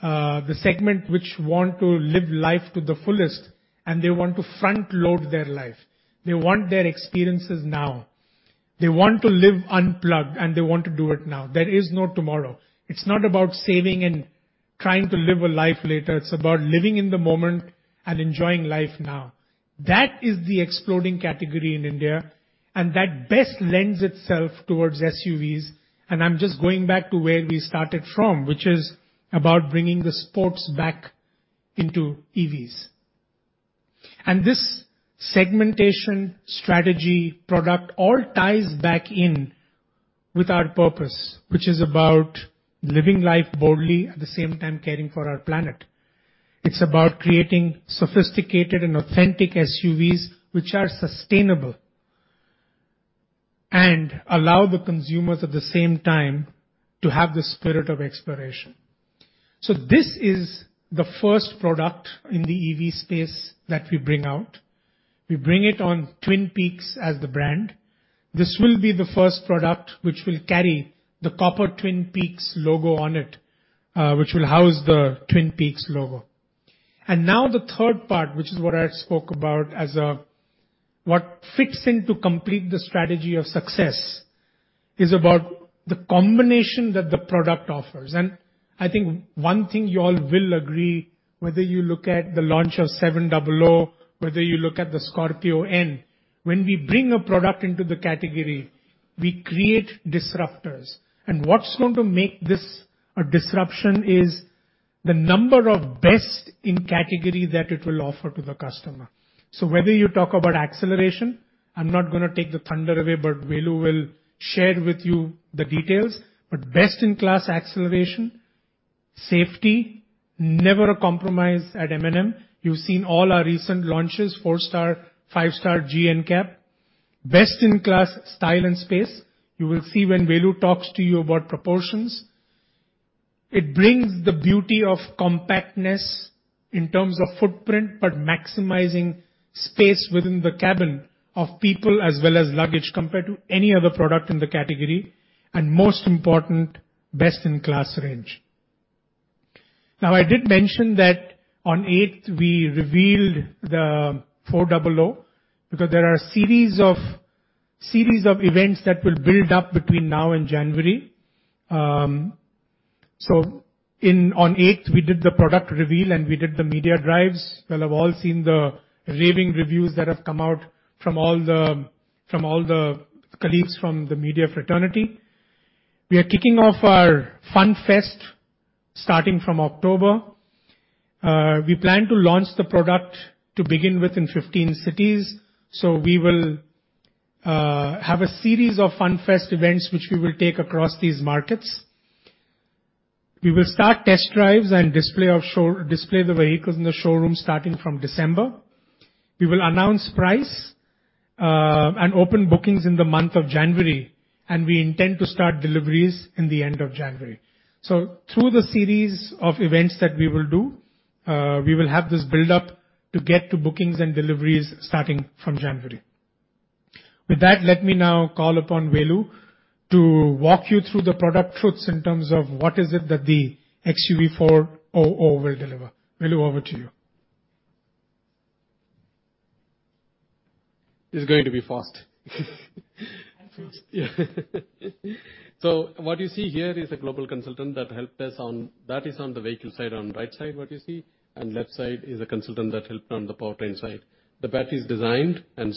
the segment which want to live life to the fullest, and they want to front load their life. They want their experiences now. They want to live unplugged, and they want to do it now. There is no tomorrow. It's not about saving and trying to live a life later. It's about living in the moment and enjoying life now. That is the exploding category in India, and that best lends itself towards SUVs. I'm just going back to where we started from, which is about bringing the sports back into EVs. This segmentation strategy product all ties back in with our purpose, which is about living life boldly, at the same time, caring for our planet. It's about creating sophisticated and authentic SUVs which are sustainable and allow the consumers at the same time to have the spirit of exploration. This is the first product in the EV space that we bring out. We bring it on Twin Peaks as the brand. This will be the first product which will carry the Copper Twin Peaks logo on it, which will house the Twin Peaks logo. Now the third part, which is what I spoke about as to what fits in to complete the strategy of success, is about the combination that the product offers. I think one thing you all will agree, whether you look at the launch of XUV700, whether you look at the Scorpio-N, when we bring a product into the category, we create disruptors. What's going to make this a disruption is the number of best-in-category that it will offer to the customer. Whether you talk about acceleration, I'm not gonna take the thunder away, but Velu will share with you the details. Best-in-class acceleration, safety, never a compromise at M&M. You've seen all our recent launches, four-star, five-star GNCAP, best-in-class style and space. You will see when Velu talks to you about proportions. It brings the beauty of compactness in terms of footprint, but maximizing space within the cabin of people as well as luggage compared to any other product in the category, and most important, best-in-class range. Now, I did mention that on eighth we revealed the XUV400 because there are a series of events that will build up between now and January. On eighth we did the product reveal and we did the media drives. You'll have all seen the raving reviews that have come out from all the colleagues from the media fraternity. We are kicking off our fun fest starting from October. We plan to launch the product to begin with in 15 cities. We will have a series of fun fest events which we will take across these markets. We will start test drives and display the vehicles in the showroom starting from December. We will announce price and open bookings in the month of January, and we intend to start deliveries in the end of January. Through the series of events that we will do, we will have this build-up to get to bookings and deliveries starting from January. With that, let me now call upon Velu to walk you through the product truths in terms of what is it that the XUV400 will deliver. Velu, over to you. It's going to be fast. What you see here is a global consultant that helped us on, that is, on the vehicle side, on right side what you see, and left side is a consultant that helped on the powertrain side. The battery is designed and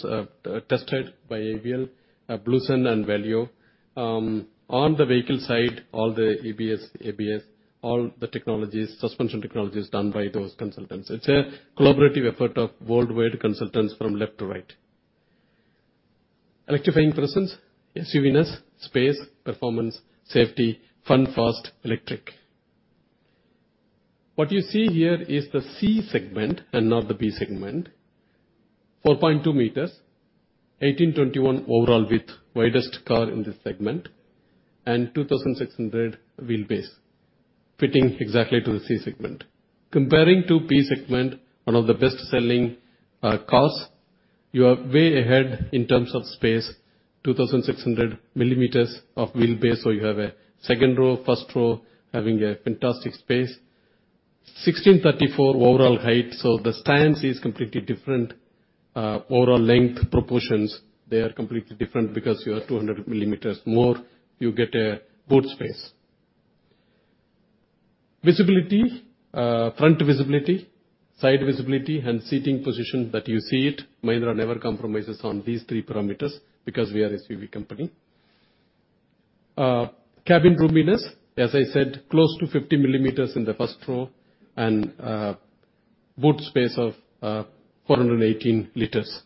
tested by AVL, Bluesun and Valeo. On the vehicle side, all the EBS, ABS, all the technologies, suspension technologies, done by those consultants. It's a collaborative effort of worldwide consultants from left to right. Electrifying presence. SUV-ness, space, performance, safety, fun, fast, electric. What you see here is the C segment and not the B segment. 4.2 meters, 1,821 overall width, widest car in this segment, and 2,600 wheelbase, fitting exactly to the C segment. Comparing to B segment, one of the best-selling cars, you are way ahead in terms of space, 2,600 mm of wheelbase, so you have a second row, first row, having a fantastic space. 1,634 overall height, so the stance is completely different. Overall length proportions, they are completely different because you are 200 mm more. You get a boot space. Visibility, front visibility, side visibility, and seating position that you see it, Mahindra never compromises on these three parameters because we are a SUV company. Cabin roominess, as I said, close to 50 mm in the first row and boot space of 418 liters.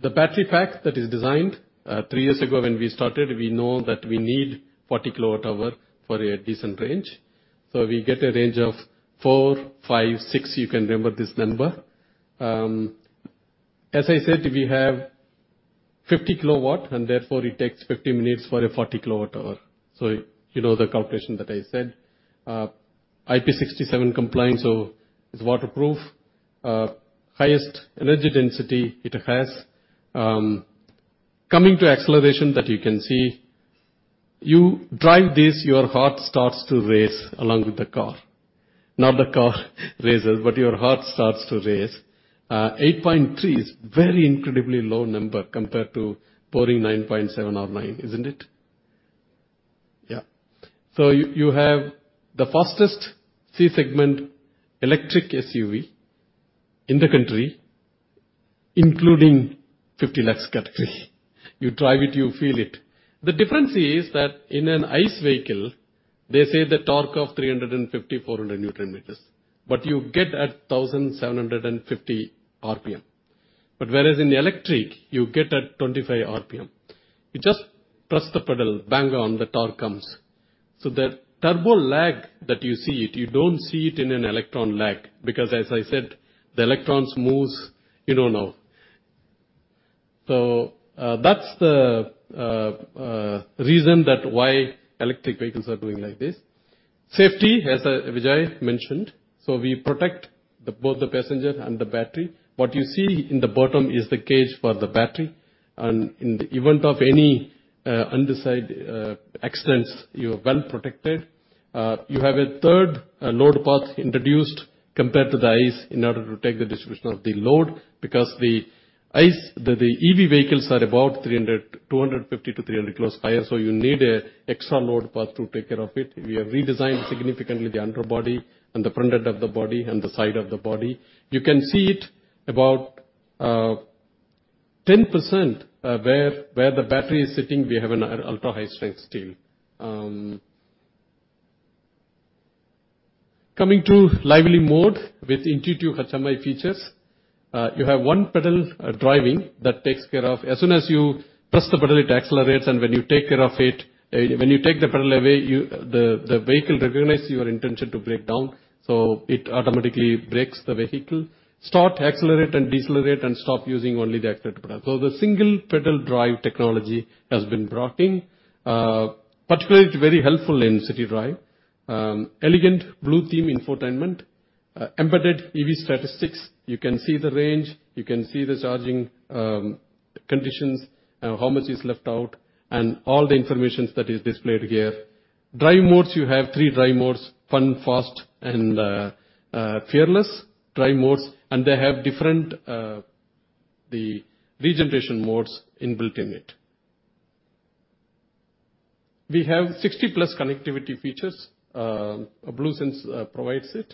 The battery pack that is designed three years ago when we started, we know that we need 40 kWh for a decent range. We get a range of 4, 5, 6, you can remember this number. As I said, we have 50 kW and therefore it takes 50 minutes for a 40 kWh. You know the calculation that I said. IP67 compliant, so it's waterproof. Highest energy density it has. Coming to acceleration that you can see, you drive this, your heart starts to race along with the car. Not the car races, but your heart starts to race. 8.3 is very incredibly low number compared to boring 9.7 or 9, isn't it? Yeah. You have the fastest C-segment electric SUV in the country, including 50 lakh category. You drive it, you feel it. The difference is that in an ICE vehicle, they say the torque of 350 Newton-meters-400 Newton-meters, but you get at 1,750 RPM. Whereas in the electric, you get at 25 RPM. You just press the pedal, bang on, the torque comes. The turbo lag that you see it, you don't see it in an electric lag, because as I said, the electrons moves, you don't know. That's the reason that why electric vehicles are going like this. Safety, as Vijay mentioned. We protect both the passenger and the battery. What you see in the bottom is the cage for the battery. In the event of any undesired accidents, you are well protected. You have a third load path introduced compared to the ICE in order to take the distribution of the load, because the ICE, the EV vehicles are about 250 kilos-300 kilos higher, so you need an extra load path to take care of it. We have redesigned significantly the underbody and the front end of the body and the side of the body. You can see it about 10%, where the battery is sitting, we have an ultra-high strength steel. Coming to lively mode with intuitive AdrenoX features. You have one pedal driving that takes care of as soon as you press the pedal, it accelerates, and when you take the pedal away, you. The vehicle recognizes your intention to brake down, so it automatically brakes the vehicle. Accelerate, and decelerate and stop using only the accelerator pedal. The single pedal drive technology has been brought in. Particularly it's very helpful in city drive. Elegant blue-themed infotainment embedded EV statistics. You can see the range, you can see the charging conditions, how much is left out, and all the information that is displayed here. Drive modes, you have three drive modes, fun, fast, and fearless drive modes. They have different the regeneration modes in built in it. We have 60+ connectivity features. BlueSense provides it.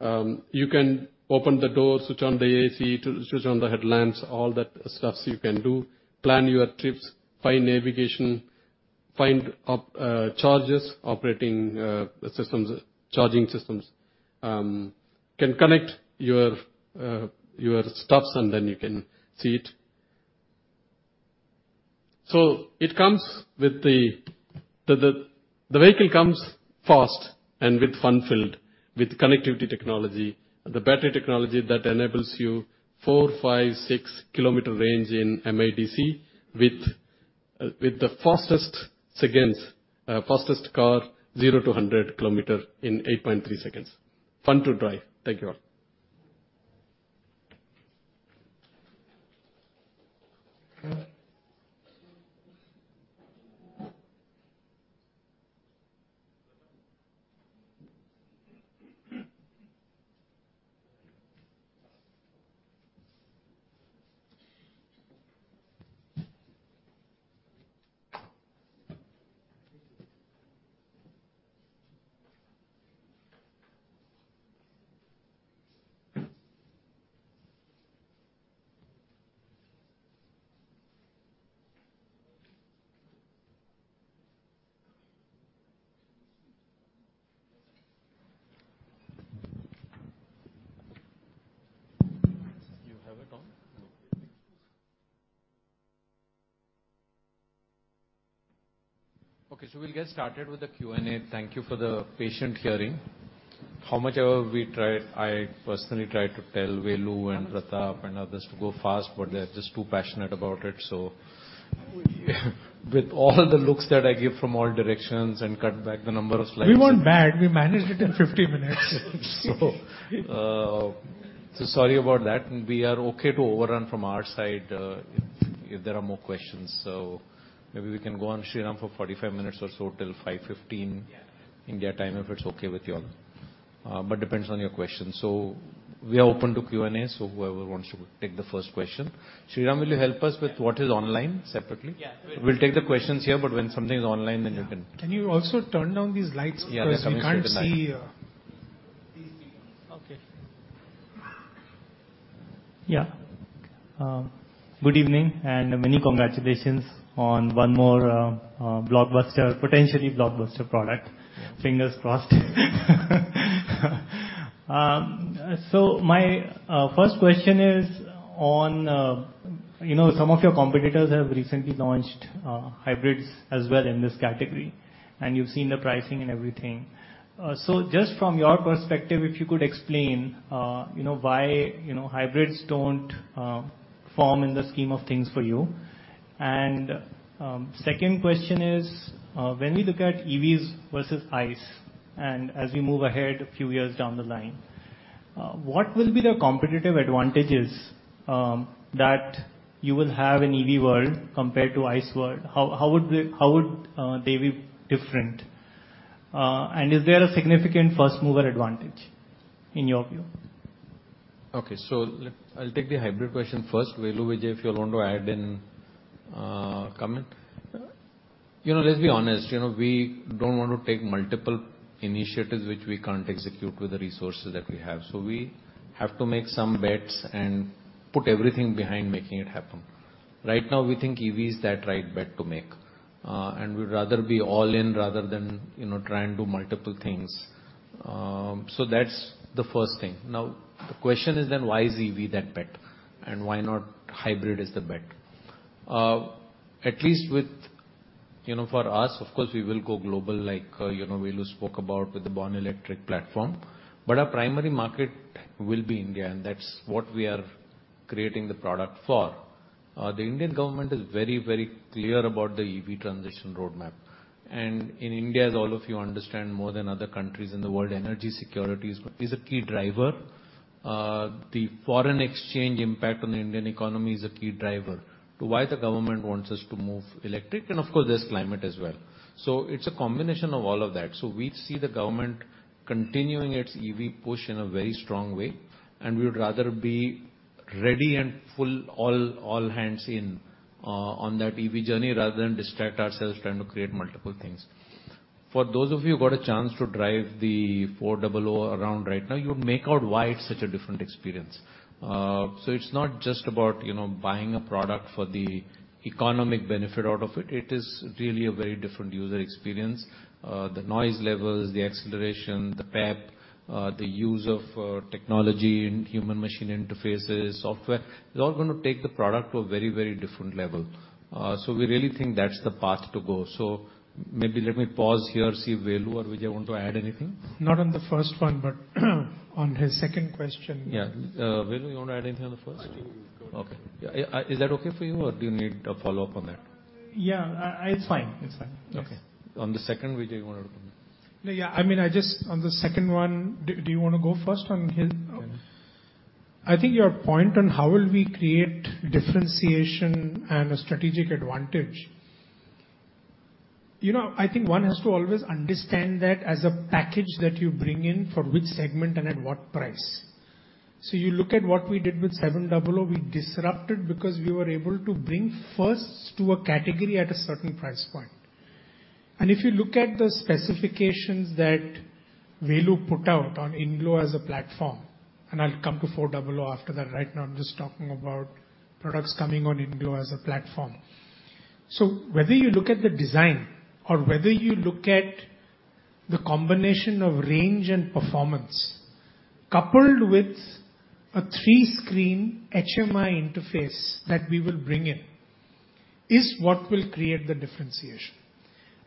You can open the doors, switch on the AC, to switch on the headlamps, all that stuff you can do. Plan your trips, find navigation, find charging operating systems, charging systems. Can connect your stops and then you can see it. It comes with the vehicle fast and fun-filled with connectivity technology. The battery technology that enables 456 km range in MIDC with the fastest 0-100 km in 8.3 seconds. Fun to drive. Thank you all. You have it on? No. We'll get started with the Q&A. Thank you for the patient hearing. How much ever we tried, I personally tried to tell Velu and Pratap and others to go fast, but they're just too passionate about it. With all the looks that I give from all directions and cut back the number of slides. We weren't bad. We managed it in 50 minutes. Sorry about that. We are okay to overrun from our side, if there are more questions. Maybe we can go on, Sriram, for 45 minutes or so till 5:15 PM India time, if it's okay with you all. Depends on your questions. We are open to Q&A. Whoever wants to take the first question. Sriram, will you help us with what is online separately? Yeah. We'll take the questions here, but when something is online, then you can. Can you also turn down these lights? Yeah. 'Cause we can't see. These 3 ones. Okay. Yeah. Good evening, and many congratulations on one more blockbuster, potentially blockbuster product. Fingers crossed. So my first question is on you know, some of your competitors have recently launched hybrids as well in this category, and you've seen the pricing and everything. Just from your perspective, if you could explain you know, why you know, hybrids don't form in the scheme of things for you. Second question is, when we look at EVs versus ICE, and as we move ahead a few years down the line, what will be the competitive advantages that you will have in EV world compared to ICE world? How would they be different? Is there a significant first mover advantage in your view? Okay. I'll take the hybrid question first. Velu, Vijay, if y'all want to add in a comment. You know, let's be honest. You know, we don't want to take multiple initiatives which we can't execute with the resources that we have. We have to make some bets and put everything behind making it happen. Right now we think EV is that right bet to make. We'd rather be all in rather than, you know, try and do multiple things. That's the first thing. Now, the question is then why is EV that bet, and why not hybrid as the bet? At least with, you know, for us, of course, we will go global like, you know, Velu spoke about with the born electric platform, but our primary market will be India, and that's what we are creating the product for. The Indian government is very, very clear about the EV transition roadmap. In India, as all of you understand more than other countries in the world, energy security is a key driver. The foreign exchange impact on the Indian economy is a key driver to why the government wants us to move electric, and of course there's climate as well. It's a combination of all of that. We see the government continuing its EV push in a very strong way, and we would rather be ready and all hands in on that EV journey rather than distract ourselves trying to create multiple things. For those of you who got a chance to drive the XUV400 around right now, you make out why it's such a different experience. It's not just about, you know, buying a product for the economic benefit out of it. It is really a very different user experience. The noise levels, the acceleration, the pep, the use of technology in human machine interfaces, software. It's all gonna take the product to a very, very different level. We really think that's the path to go. Maybe let me pause here, see if Velu or Veejay want to add anything. Not on the first one, but on his second question. Yeah. Velu, you wanna add anything on the first? I don't. Okay. Is that okay for you, or do you need a follow-up on that? Yeah. It's fine. It's fine. Yes. Okay. On the second, Vijay, you wanna- No. Yeah. I mean on the second one, do you wanna go first on his- Yeah. I think your point on how will we create differentiation and a strategic advantage. You know, I think one has to always understand that as a package that you bring in for which segment and at what price. You look at what we did with XUV700, we disrupted because we were able to bring first to a category at a certain price point. If you look at the specifications that Velu put out on INGLO as a platform, and I'll come to XUV400 after that. Right now I'm just talking about products coming on INGLO as a platform. Whether you look at the design or whether you look at the combination of range and performance, coupled with a three-screen HMI interface that we will bring in, is what will create the differentiation.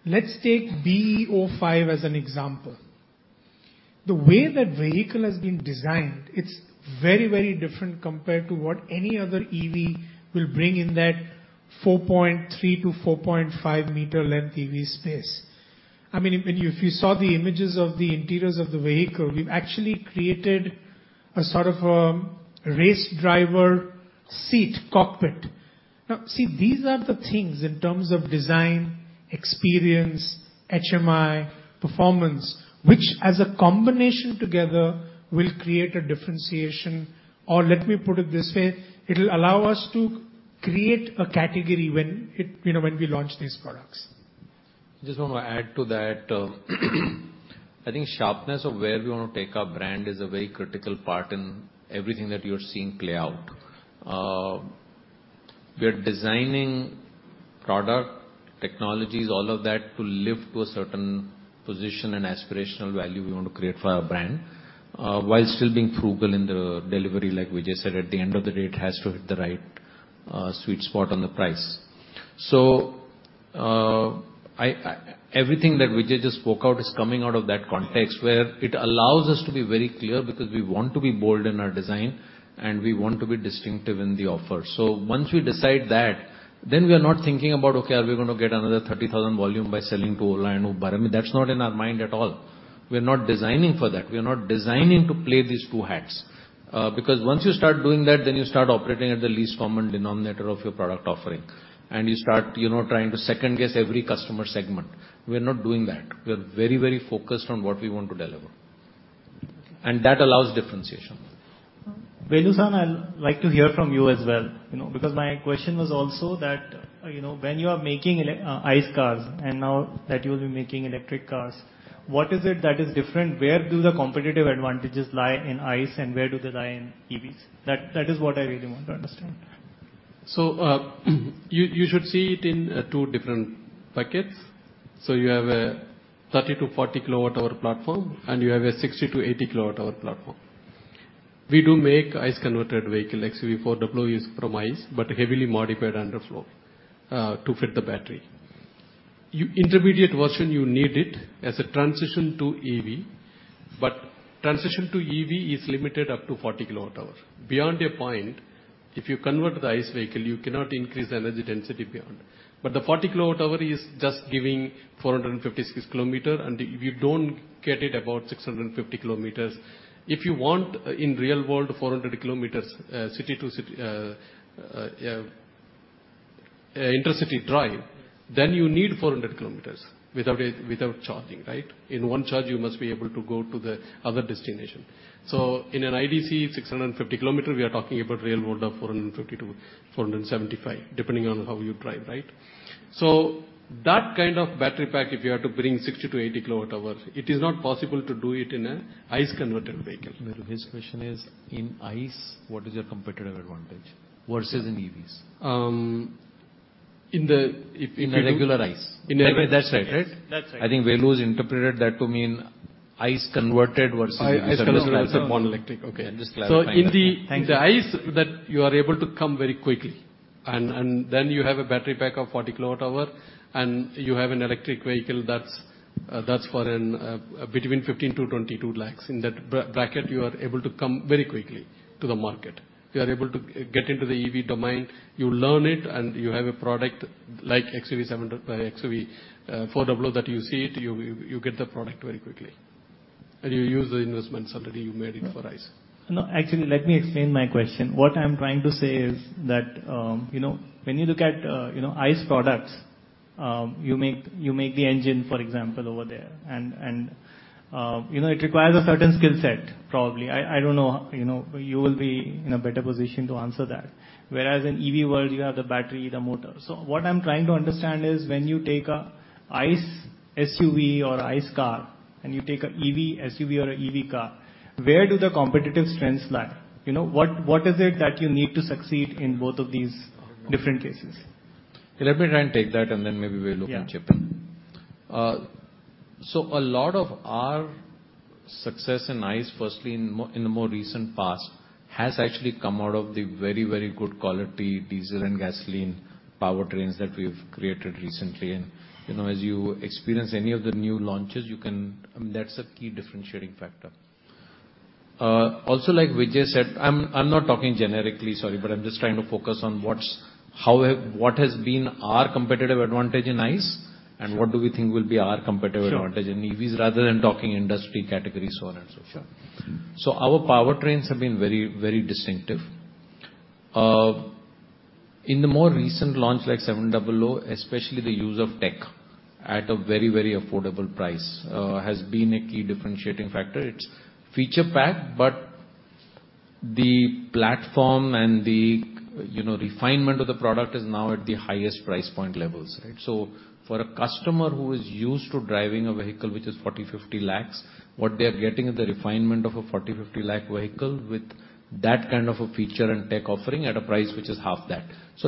Let's take BE.05 as an example. The way that vehicle has been designed, it's very, very different compared to what any other EV will bring in that 4.3-4.5 meter length EV space. I mean, if you saw the images of the interiors of the vehicle, we've actually created a sort of a race driver seat cockpit. Now, see, these are the things in terms of design, experience, HMI, performance, which as a combination together will create a differentiation. Or let me put it this way, it'll allow us to create a category when it, you know, when we launch these products. Just want to add to that. I think sharpness of where we want to take our brand is a very critical part in everything that you're seeing play out. We are designing product, technologies, all of that to live to a certain position and aspirational value we want to create for our brand, while still being frugal in the delivery, like Vijay said. At the end of the day, it has to hit the right sweet spot on the price. Everything that Vijay just spoke out is coming out of that context, where it allows us to be very clear because we want to be bold in our design, and we want to be distinctive in the offer. Once we decide that, then we are not thinking about, okay, are we gonna get another 30,000 volume by selling to Ola and Uber. I mean, that's not in our mind at all. We're not designing for that. We are not designing to play these top hats. Because once you start doing that, then you start operating at the least common denominator of your product offering, and you start, you know, trying to second-guess every customer segment. We're not doing that. We're very, very focused on what we want to deliver, and that allows differentiation. Velu, sir, I'll like to hear from you as well, you know. Because my question was also that, you know, when you are making ICE cars and now that you'll be making electric cars, what is it that is different? Where do the competitive advantages lie in ICE and where do they lie in EVs? That is what I really want to understand. You should see it in two different buckets. You have a 30 kWh-40 kWh platform, and you have a 60 kWh-80 kWh platform. We do make ICE converted vehicle, XUV400 is from ICE but heavily modified underfloor to fit the battery. Intermediate version, you need it as a transition to EV, but transition to EV is limited up to 40 kWh. Beyond a point, if you convert the ICE vehicle, you cannot increase the energy density beyond. But the 40 kWh is just giving 456 km, and you don't get it about 650 km. If you want in real world 400 km, city to intercity drive, then you need 400 km without it, without charging, right? In one charge, you must be able to go to the other destination. In an MIDC 650 km, we are talking about real world of 450-475, depending on how you drive, right? That kind of battery pack, if you are to bring 60-80 kWh, it is not possible to do it in an ICE converted vehicle. His question is, in ICE, what is your competitive advantage versus in EVs? If in a In a regular ICE. In a regular ICE. That's right. Right? That's right. I think Velu's interpreted that to mean ICE converted versus. ICE converted. versus Born Electric. Okay. So in the- Thank you. In the ICE that you are able to come very quickly and then you have a battery pack of 40 kWh, and you have an electric vehicle that's for an between 15-22 lakhs. In that bracket, you are able to come very quickly to the market. You are able to get into the EV domain. You learn it, and you have a product like XUV700, XUV400 that you see it, you get the product very quickly, and you use the investments already you made it for ICE. No, actually, let me explain my question. What I'm trying to say is that, you know, when you look at, you know, ICE products, you make the engine, for example, over there, and, you know, it requires a certain skill set probably. I don't know, you know. You will be in a better position to answer that. Whereas in EV world, you have the battery, the motor. So what I'm trying to understand is when you take a ICE SUV or ICE car and you take an EV SUV or an EV car, where do the competitive strengths lie? You know, what is it that you need to succeed in both of these different cases? Let me try and take that, and then maybe Velu can chip in. Yeah. A lot of our success in ICE, firstly in the more recent past, has actually come out of the very, very good quality diesel and gasoline powertrains that we've created recently. You know, as you experience any of the new launches, I mean, that's a key differentiating factor. Also, like Vijay said, I'm not talking generically, sorry, but I'm just trying to focus on what has been our competitive advantage in ICE and what do we think will be our competitive advantage. Sure. In EVs rather than talking industry categories, so on and so forth. Sure. Our powertrains have been very, very distinctive. In the more recent launch, like XUV700, especially the use of tech at a very, very affordable price, has been a key differentiating factor. It's feature packed, but the platform and the, you know, refinement of the product is now at the highest price point levels, right? For a customer who is used to driving a vehicle which is 40-50 lakhs, what they are getting is the refinement of a 40-50 lakh vehicle with that kind of a feature and tech offering at a price which is half that.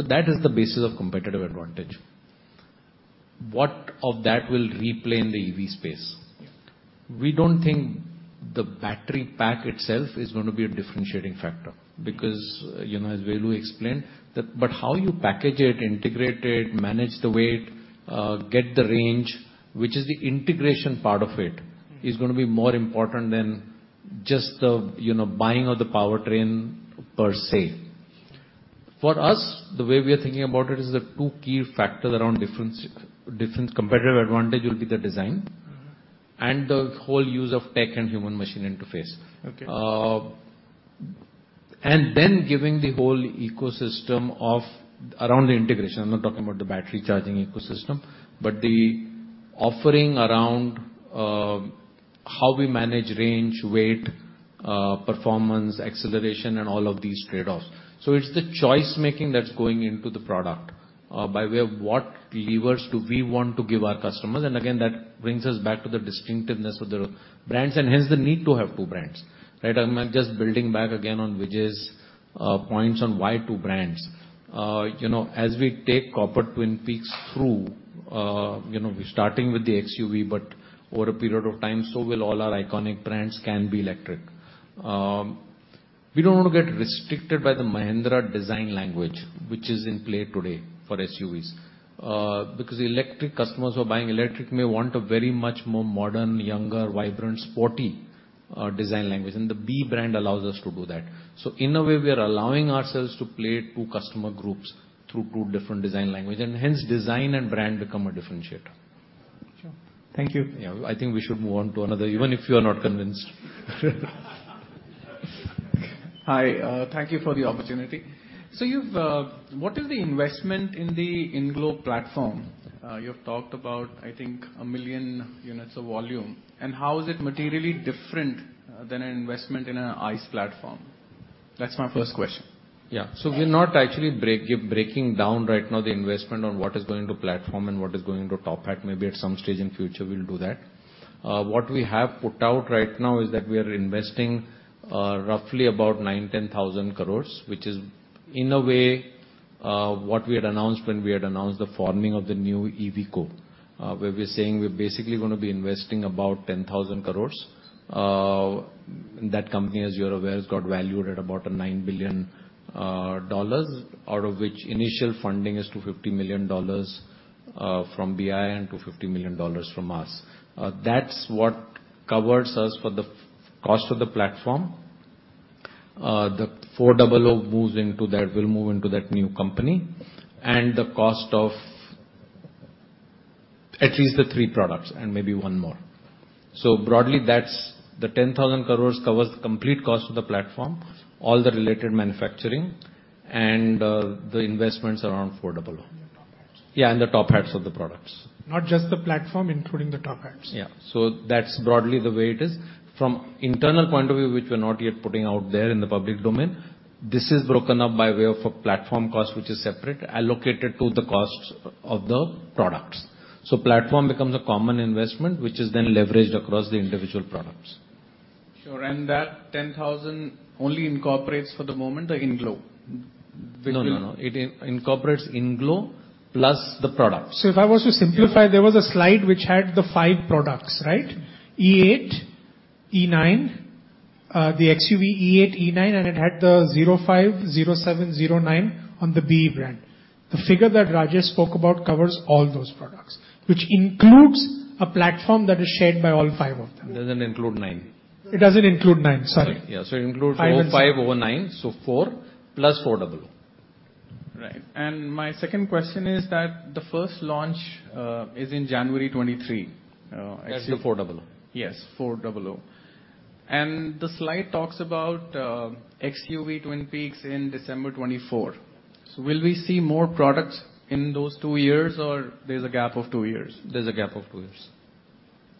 That is the basis of competitive advantage. What of that will replicate in the EV space? Yeah. We don't think the battery pack itself is gonna be a differentiating factor because, you know, as Velu explained. How you package it, integrate it, manage the weight, get the range, which is the integration part of it, is gonna be more important than just the, you know, buying of the powertrain per se. For us, the way we are thinking about it is the two key factors around difference. Competitive advantage will be the design. Mm-hmm. The whole use of tech and human machine interface. Okay. Giving the whole ecosystem of around the integration. I'm not talking about the battery charging ecosystem, but the offering around how we manage range, weight, performance, acceleration and all of these trade-offs. It's the choice-making that's going into the product, by way of what levers do we want to give our customers. Again, that brings us back to the distinctiveness of the brands, and hence the need to have two brands, right? I'm just building back again on Veejay's points on why two brands. You know, as we take Copper Twin Peaks through, you know, we're starting with the XUV, but over a period of time, so will all our iconic brands can be electric. We don't want to get restricted by the Mahindra design language which is in play today for SUVs, because electric customers who are buying electric may want a very much more modern, younger, vibrant, sporty, design language, and the BE brand allows us to do that. In a way, we are allowing ourselves to play two customer groups through two different design language, and hence design and brand become a differentiator. Sure. Thank you. Yeah. I think we should move on to another, even if you are not convinced. Hi. Thank you for the opportunity. What is the investment in the INGLO platform? You have talked about, I think, 1 million units of volume. How is it materially different than an investment in an ICE platform? That's my first question. Yeah. We're not actually breaking down right now the investment on what is going to platform and what is going to top hats. Maybe at some stage in future we'll do that. What we have put out right now is that we are investing roughly about 9 thousand crores-10 thousand crores, which is in a way what we had announced when we had announced the forming of the new EVCo. Where we are saying we're basically gonna be investing about 10 thousand crores. That company, as you're aware, has got valued at about $9 billion, out of which initial funding is $50 million from BII and $50 million from us. That's what covers us for the fixed cost of the platform. The XUV400 moves into that, will move into that new company. The cost of at least the three products and maybe one more. Broadly, that's the 10,000 crore covers the complete cost of the platform, all the related manufacturing and the investments around 400 crore. The top hats. Yeah, the top hats of the products. Not just the platform, including the top hats. Yeah. That's broadly the way it is. From internal point of view, which we're not yet putting out there in the public domain, this is broken up by way of a platform cost which is separate, allocated to the costs of the products. Platform becomes a common investment, which is then leveraged across the individual products. Sure. That 10,000 only incorporates for the moment, the INGLO. No, no. It incorporates INGLO+ the products. If I was to simplify, there was a slide which had the five products, right? XUV.e8, XUV.e9, and the BE.05, BE.07, BE.09 on the BE brand. The figure that Rajesh spoke about covers all those products, which includes a platform that is shared by all five of them. It doesn't include nine. It doesn't include nine. Sorry. Yeah. It includes. 5 and 7.... 05, 09, so 4, +400. Right. My second question is that the first launch is in January 2023. That's the 400. Yes, XUV400. The slide talks about XUV Twin Peaks in December 2024. Will we see more products in those two years, or there's a gap of two years? There's a gap of two years.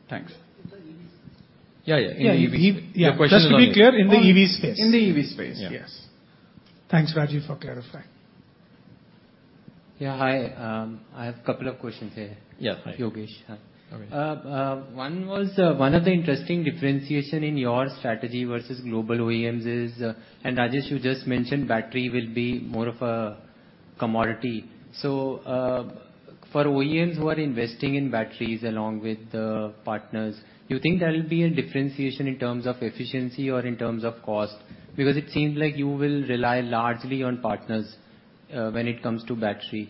Thanks. In the EV space. Yeah, yeah. In the EV space. Yeah. Your question is on the- Just to be clear, in the EV space. In the EV space. Yeah. Yes. Thanks, Rajesh, for clarifying. Yeah, hi. I have couple of questions here. Yes. Yogesh. Hi. All right. One of the interesting differentiation in your strategy versus global OEMs is, and Rajesh you just mentioned battery will be more of a commodity. For OEMs who are investing in batteries along with partners, you think there will be a differentiation in terms of efficiency or in terms of cost? Because it seems like you will rely largely on partners, when it comes to battery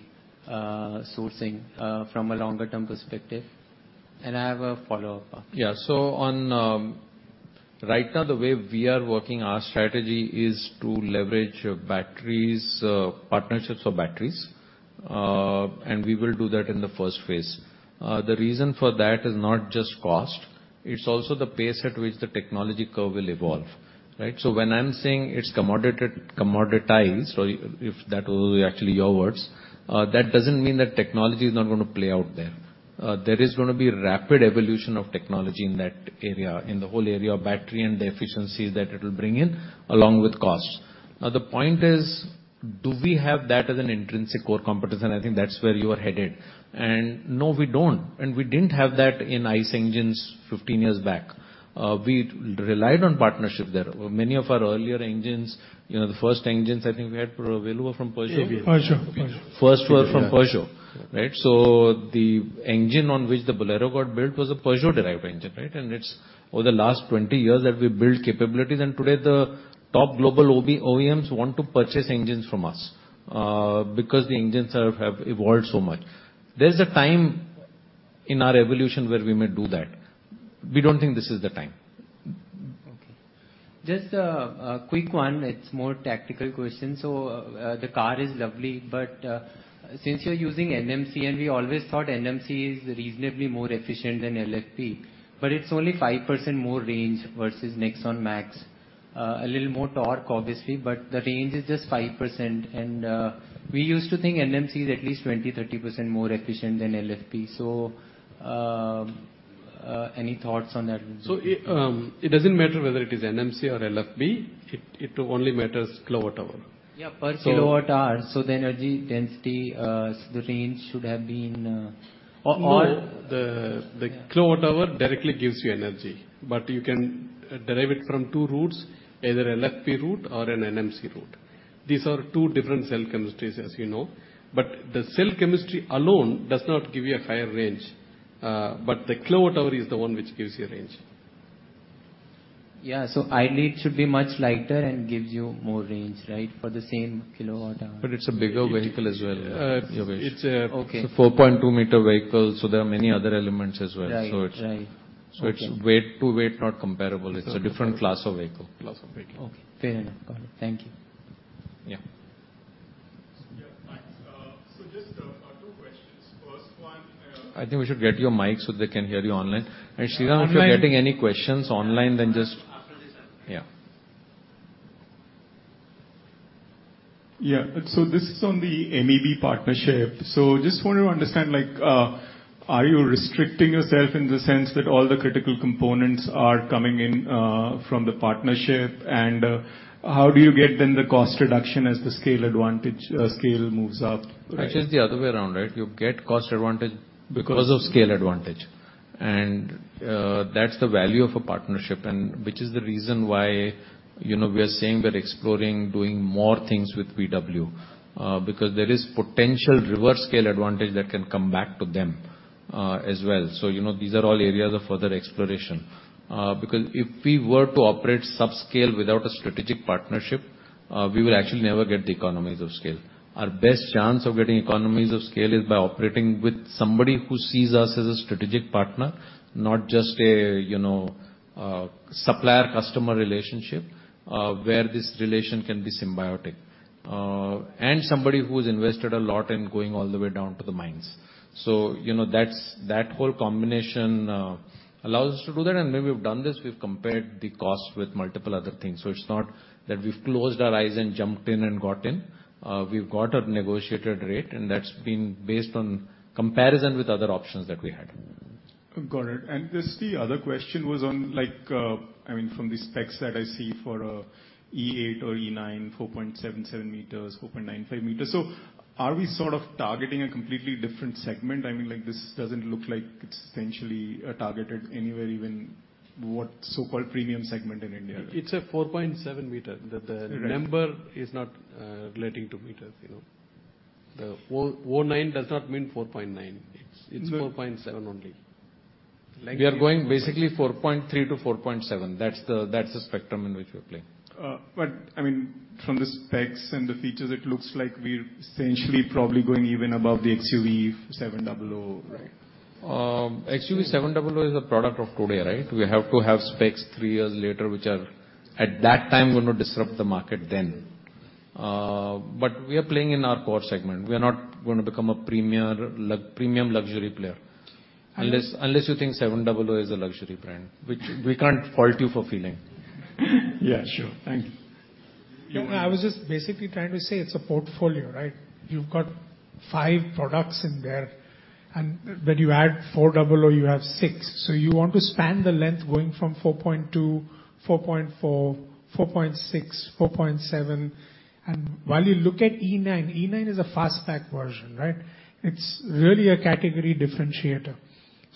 sourcing, from a longer term perspective. I have a follow-up. Yeah. Right now, the way we are working our strategy is to leverage battery partnerships for batteries. We will do that in the first phase. The reason for that is not just cost, it's also the pace at which the technology curve will evolve, right? When I'm saying it's commoditized, if that was actually your words, that doesn't mean that technology is not gonna play out there. There is gonna be rapid evolution of technology in that area, in the whole area of battery and the efficiencies that it'll bring in, along with cost. Now, the point is, do we have that as an intrinsic core competence? I think that's where you are headed. No, we don't. We didn't have that in ICE engines 15 years back. We relied on partnership there. Many of our earlier engines, you know, the first engines I think we had available were from Peugeot. Peugeot. First were from Peugeot, right? The engine on which the Bolero got built was a Peugeot-derived engine, right? It's over the last 20 years that we've built capabilities. Today, the top global OEMs want to purchase engines from us, because the engines are, have evolved so much. There's a time in our evolution where we may do that. We don't think this is the time. Okay. Just a quick one. It's more tactical question. The car is lovely, but since you're using NMC, and we always thought NMC is reasonably more efficient than LFP, but it's only 5% more range versus Nexon EV Max. A little more torque obviously, but the range is just 5%. We used to think NMC is at least 20%, 30% more efficient than LFP. Any thoughts on that? It doesn't matter whether it is NMC or LFP, it only matters kilowatt hour. Yeah, per kilowatt hour. So- The range should have been more. All the kilowatt hour directly gives you energy, but you can derive it from two routes, either LFP route or an NMC route. These are two different cell chemistries, as you know, but the cell chemistry alone does not give you a higher range. The kilowatt hour is the one which gives you a range. Yeah. XUV400 should be much lighter and gives you more range, right? For the same kilowatt hour. It's a bigger vehicle as well, Yogesh. Uh, it's a- Okay. It's a 4.2-meter vehicle, so there are many other elements as well. Right. Right. So it's- Okay. It's weight to weight not comparable. It's a different class of vehicle. Class of vehicle. Okay. Fair enough. Got it. Thank you. Yeah. Yeah, thanks. So just two questions. First one, I think we should get you a mic so they can hear you online. Sriram, if you're getting any questions online, then just. After this I'll get. Yeah. Yeah. This is on the MEB partnership. Just want to understand, like, are you restricting yourself in the sense that all the critical components are coming in from the partnership? How do you get then the cost reduction as the scale advantage, scale moves up? Actually, it's the other way around, right? You get cost advantage. Because- -because of scale advantage. That's the value of a partnership and which is the reason why, you know, we are saying we're exploring doing more things with VW, because there is potential reverse scale advantage that can come back to them, as well. You know, these are all areas of further exploration. Because if we were to operate subscale without a strategic partnership, we will actually never get the economies of scale. Our best chance of getting economies of scale is by operating with somebody who sees us as a strategic partner, not just a, you know, supplier-customer relationship, where this relation can be symbiotic. Somebody who's invested a lot in going all the way down to the mines. You know, that's that whole combination allows us to do that. When we've done this, we've compared the cost with multiple other things. It's not that we've closed our eyes and jumped in and got in. We've got a negotiated rate, and that's been based on comparison with other options that we had. Got it. The other question was on like, I mean, from the specs that I see for XUV.e8 or XUV.e9, 4.77 meters, 4.95 meters. Are we sort of targeting a completely different segment? I mean, like, this doesn't look like it's essentially targeted anywhere, even what so-called premium segment in India. It's a 4.7 meter. Right. The number is not relating to meters, you know. The BE.09 does not mean 4.9. It's 4.7 only. Length. We are going basically 4.3%-4.7%. That's the spectrum in which we're playing. I mean, from the specs and the features, it looks like we're essentially probably going even above the XUV700, right? XUV700 is a product of today, right? We have to have specs three years later, which are, at that time, going to disrupt the market then. We are playing in our core segment. We are not gonna become a premium luxury player. Unless you think 700 is a luxury brand, which we can't fault you for feeling. Yeah, sure. Thank you. No, I was just basically trying to say it's a portfolio, right? You've got 5 products in there, and when you add 400, you have six. You want to span the length going from 4.2, 4.4.6, 4.7. While you look at XUV.e9, XUV.e9 is a fastback version, right? It's really a category differentiator.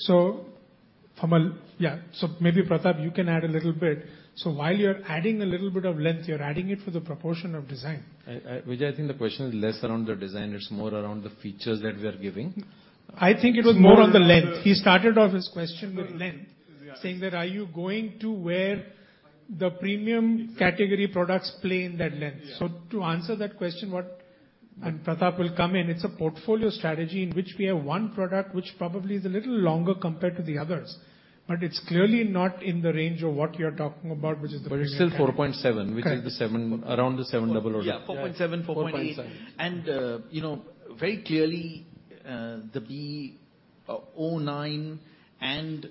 Maybe, Pratap, you can add a little bit. While you're adding a little bit of length, you're adding it for the proportion of design. Vijay, I think the question is less around the design. It's more around the features that we are giving. I think it was more on the length. It's more on the- He started off his question with length. Sorry. Yes. Saying that, are you going to where the premium category products play in that length? Yeah. To answer that question, Pratap will come in. It's a portfolio strategy in which we have one product which probably is a little longer compared to the others, but it's clearly not in the range of what you're talking about, which is the premium category. It's still 4.7. Correct. which is the 7, around the 700. Yeah. Yeah, 4.7, 4.8. 4.7. You know, very clearly, the BE.09 and,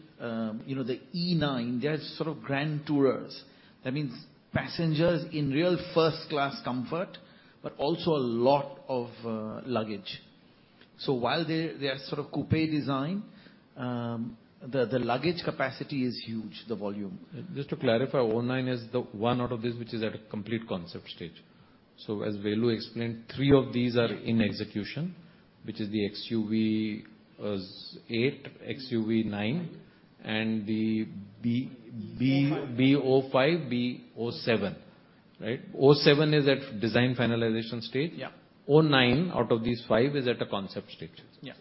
you know, the XUV.e9, they're sort of grand tourers. That means passengers in real first-class comfort, but also a lot of luggage. While they are sort of coupe design, the luggage capacity is huge, the volume. Just to clarify, BE.09 is the one out of these which is at a complete concept stage. As Velu explained, three of these are in execution, which is the XUV.e8, XUV.e9, and the B- O5. BE.05, BO7, right? BO7 is at design finalization stage. Yeah. BE.09, out of these five, is at a concept stage. Yeah.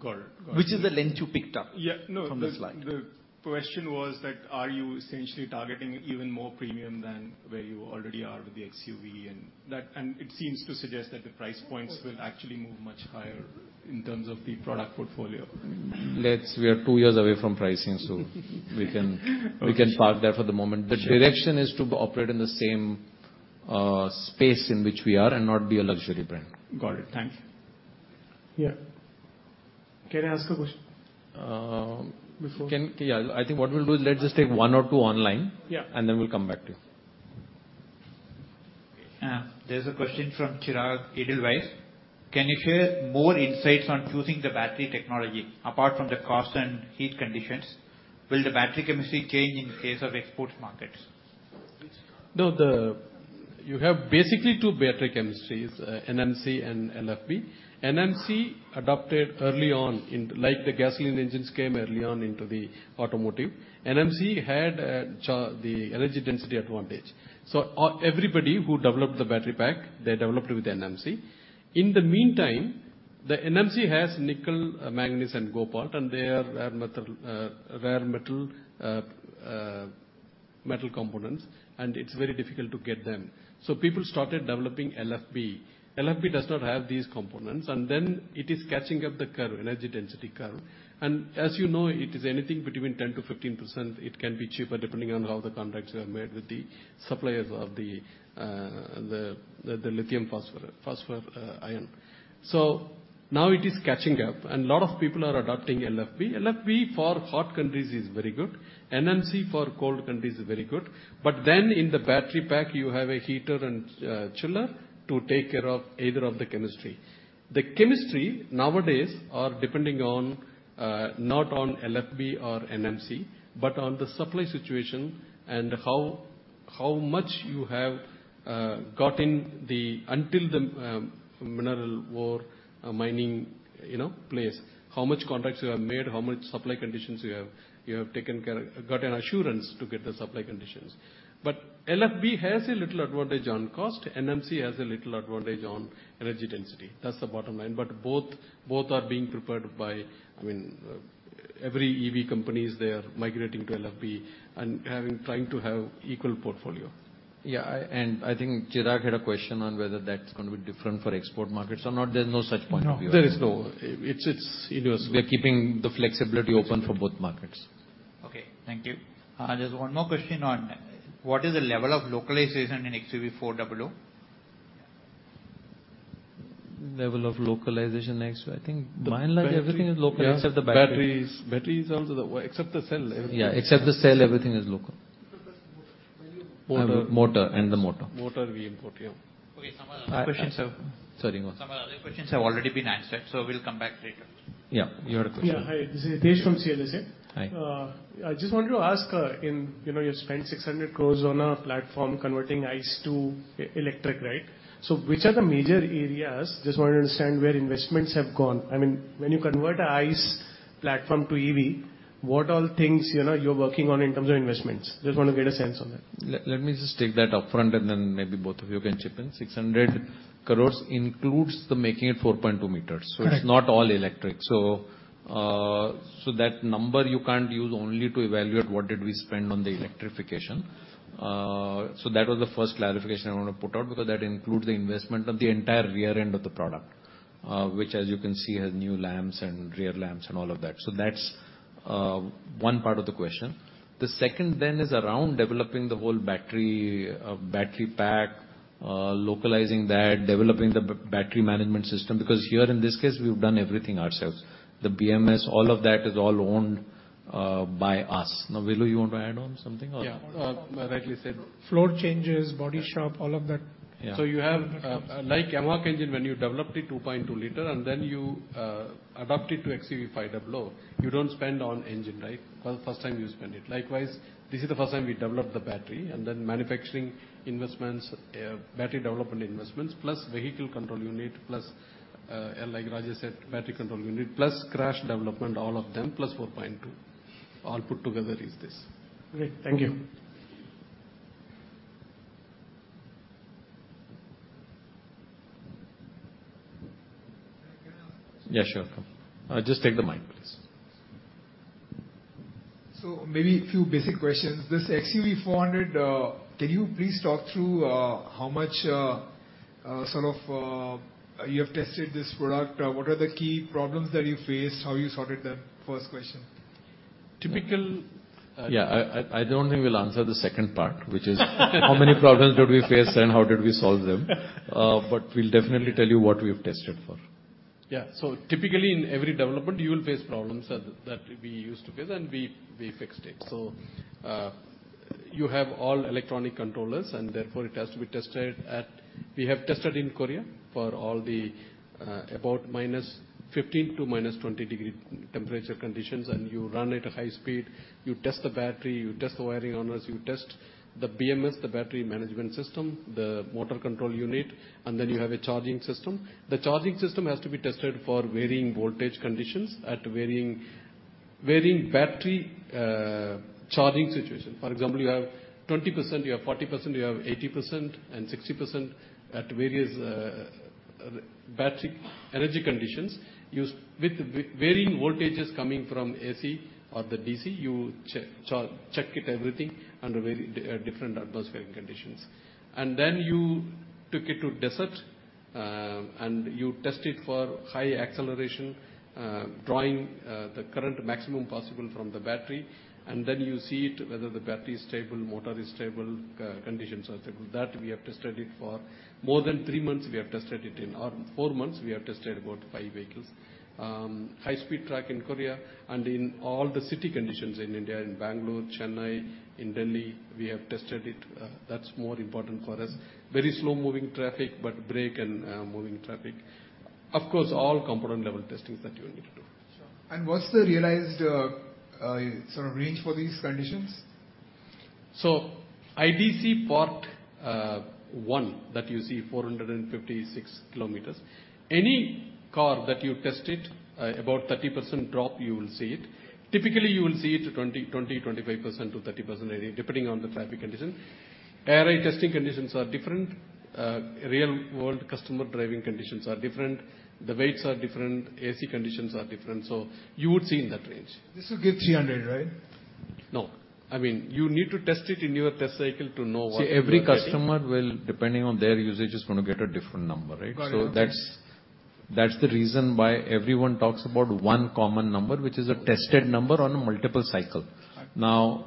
Got it. Got it. Which is the length you picked up? Yeah. From the slide. The question was that, are you essentially targeting even more premium than where you already are with the XUV? It seems to suggest that the price points will actually move much higher in terms of the product portfolio. We are two years away from pricing, so we can park there for the moment. Sure. The direction is to operate in the same space in which we are and not be a luxury brand. Got it. Thank you. Yeah. Can I ask a question? Uh- Before- Yeah. I think what we'll do is let's just take one or two online. Yeah. We'll come back to you. There's a question from Chirag, Edelweiss. Can you share more insights on choosing the battery technology, apart from the cost and heat conditions? Will the battery chemistry change in case of export markets? No, you have basically two battery chemistries, NMC and LFP. NMC adopted early on. Like the gasoline engines came early on into the automotive, NMC had the energy density advantage. Everybody who developed the battery pack, they developed with NMC. In the meantime, the NMC has nickel, manganese and cobalt, and they are rare metal components, and it's very difficult to get them. People started developing LFP. LFP does not have these components, and it is catching up the energy density curve. As you know, it is anything between 10%-15%, it can be cheaper depending on how the contracts are made with the suppliers of the lithium phosphate. Now it is catching up, and a lot of people are adopting LFP. LFP for hot countries is very good. NMC for cold countries is very good. In the battery pack, you have a heater and chiller to take care of either of the chemistry. The chemistry nowadays are depending on not on LFP or NMC, but on the supply situation and how much you have got in the mineral war mining, you know, plays. How much contracts you have made, how much supply conditions you have got an assurance to get the supply conditions. LFP has a little advantage on cost, NMC has a little advantage on energy density. That's the bottom line. Both are being preferred by, I mean, every EV company is migrating to LFP and trying to have equal portfolio. Yeah, I think Chirag had a question on whether that's gonna be different for export markets or not. There's no such point of view. No, there is no. It's universal. We are keeping the flexibility open for both markets. Okay. Thank you. There's one more question on what is the level of localization in XUV400? Level of localization in XUV. I think like everything is localized except the battery. Yeah, batteries. Battery is also there. Except the cell, everything. Yeah. Except the cell, everything is local. Except the motor. Motor. The motor. motor we import, yeah. Okay. Some other questions have Sorry, go on. Some other questions have already been answered, so we'll come back later. Yeah, you had a question. Yeah. Hi, this is Hitesh from CLSA. Hi. I just wanted to ask, you know, you've spent 600 crore on a platform converting ICE to electric, right? Which are the major areas, just want to understand where investments have gone. I mean, when you convert an ICE platform to EV, what all things, you know, you're working on in terms of investments? Just wanna get a sense on that. Let me just take that upfront and then maybe both of you can chip in. 600 crore includes the making it 4.2 meters. Correct. It's not all electric. That number you can't use only to evaluate what did we spend on the electrification. That was the first clarification I wanna put out because that includes the investment of the entire rear end of the product, which as you can see has new lamps and rear lamps and all of that. That's one part of the question. The second is around developing the whole battery pack, localizing that, developing the battery management system, because here in this case, we've done everything ourselves. The BMS, all of that is all owned by us. Now, Velu, you want to add on something or? Yeah. Rightly said. Floor changes, body shop, all of that. You have, like mHawk engine when you developed it 2.2-liter and then you adapt it to XUV500, you don't spend on engine, right? Well, first time you spend it. Likewise, this is the first time we developed the battery and then manufacturing investments, battery development investments, plus vehicle control unit, plus, like Rajesh said, battery control unit, plus chassis development, all of them, plus 4.2, all put together is this. Great. Thank you. Can I ask a question? Yeah, sure. Come. Just take the mic, please. Maybe few basic questions. This XUV 400, can you please talk through how much, sort of, you have tested this product, what are the key problems that you faced? How you sorted them? First question. Typical- Yeah. I don't think we'll answer the second part, which is how many problems did we face and how did we solve them. But we'll definitely tell you what we've tested for. Typically in every development, you will face problems that we used to face, and we fixed it. You have all electronic controllers, and therefore, it has to be tested. We have tested in Korea for all the about -15 degree to -20 degree temperature conditions, and you run at a high speed, you test the battery, you test the wiring harnesses, you test the BMS, the battery management system, the motor control unit, and then you have a charging system. The charging system has to be tested for varying voltage conditions at varying battery charging situation. For example, you have 20%, you have 40%, you have 80% and 60% at various battery energy conditions. You With varying voltages coming from AC or the DC, you charge, check everything under very different atmospheric conditions. Then you took it to the desert and you test it for high acceleration, drawing the maximum current possible from the battery, and then you see whether the battery is stable, motor is stable, conditions are stable. That we have tested it for more than 3-months in, or 4-months. We have tested about 5-vehicles high-speed track in Korea and in all the city conditions in India, in Bangalore, Chennai, in Delhi, we have tested it. That's more important for us. Very slow-moving traffic, but braking and moving traffic. Of course, all component-level testing that you will need to do. Sure. What's the realized, sort of range for these conditions? MIDC part, one that you see 456 km, any car that you tested, about 30% drop you will see it. Typically, you will see it 20%-25% to 30% range depending on the traffic condition. ARAI testing conditions are different, real world customer driving conditions are different, the weights are different, AC conditions are different, so you would see in that range. This will give 300, right? No. I mean, you need to test it in your test cycle to know what you are getting. See, every customer will, depending on their usage, is gonna get a different number, right? Got it, okay. That's the reason why everyone talks about one common number, which is a tested number on a multiple cycle. I-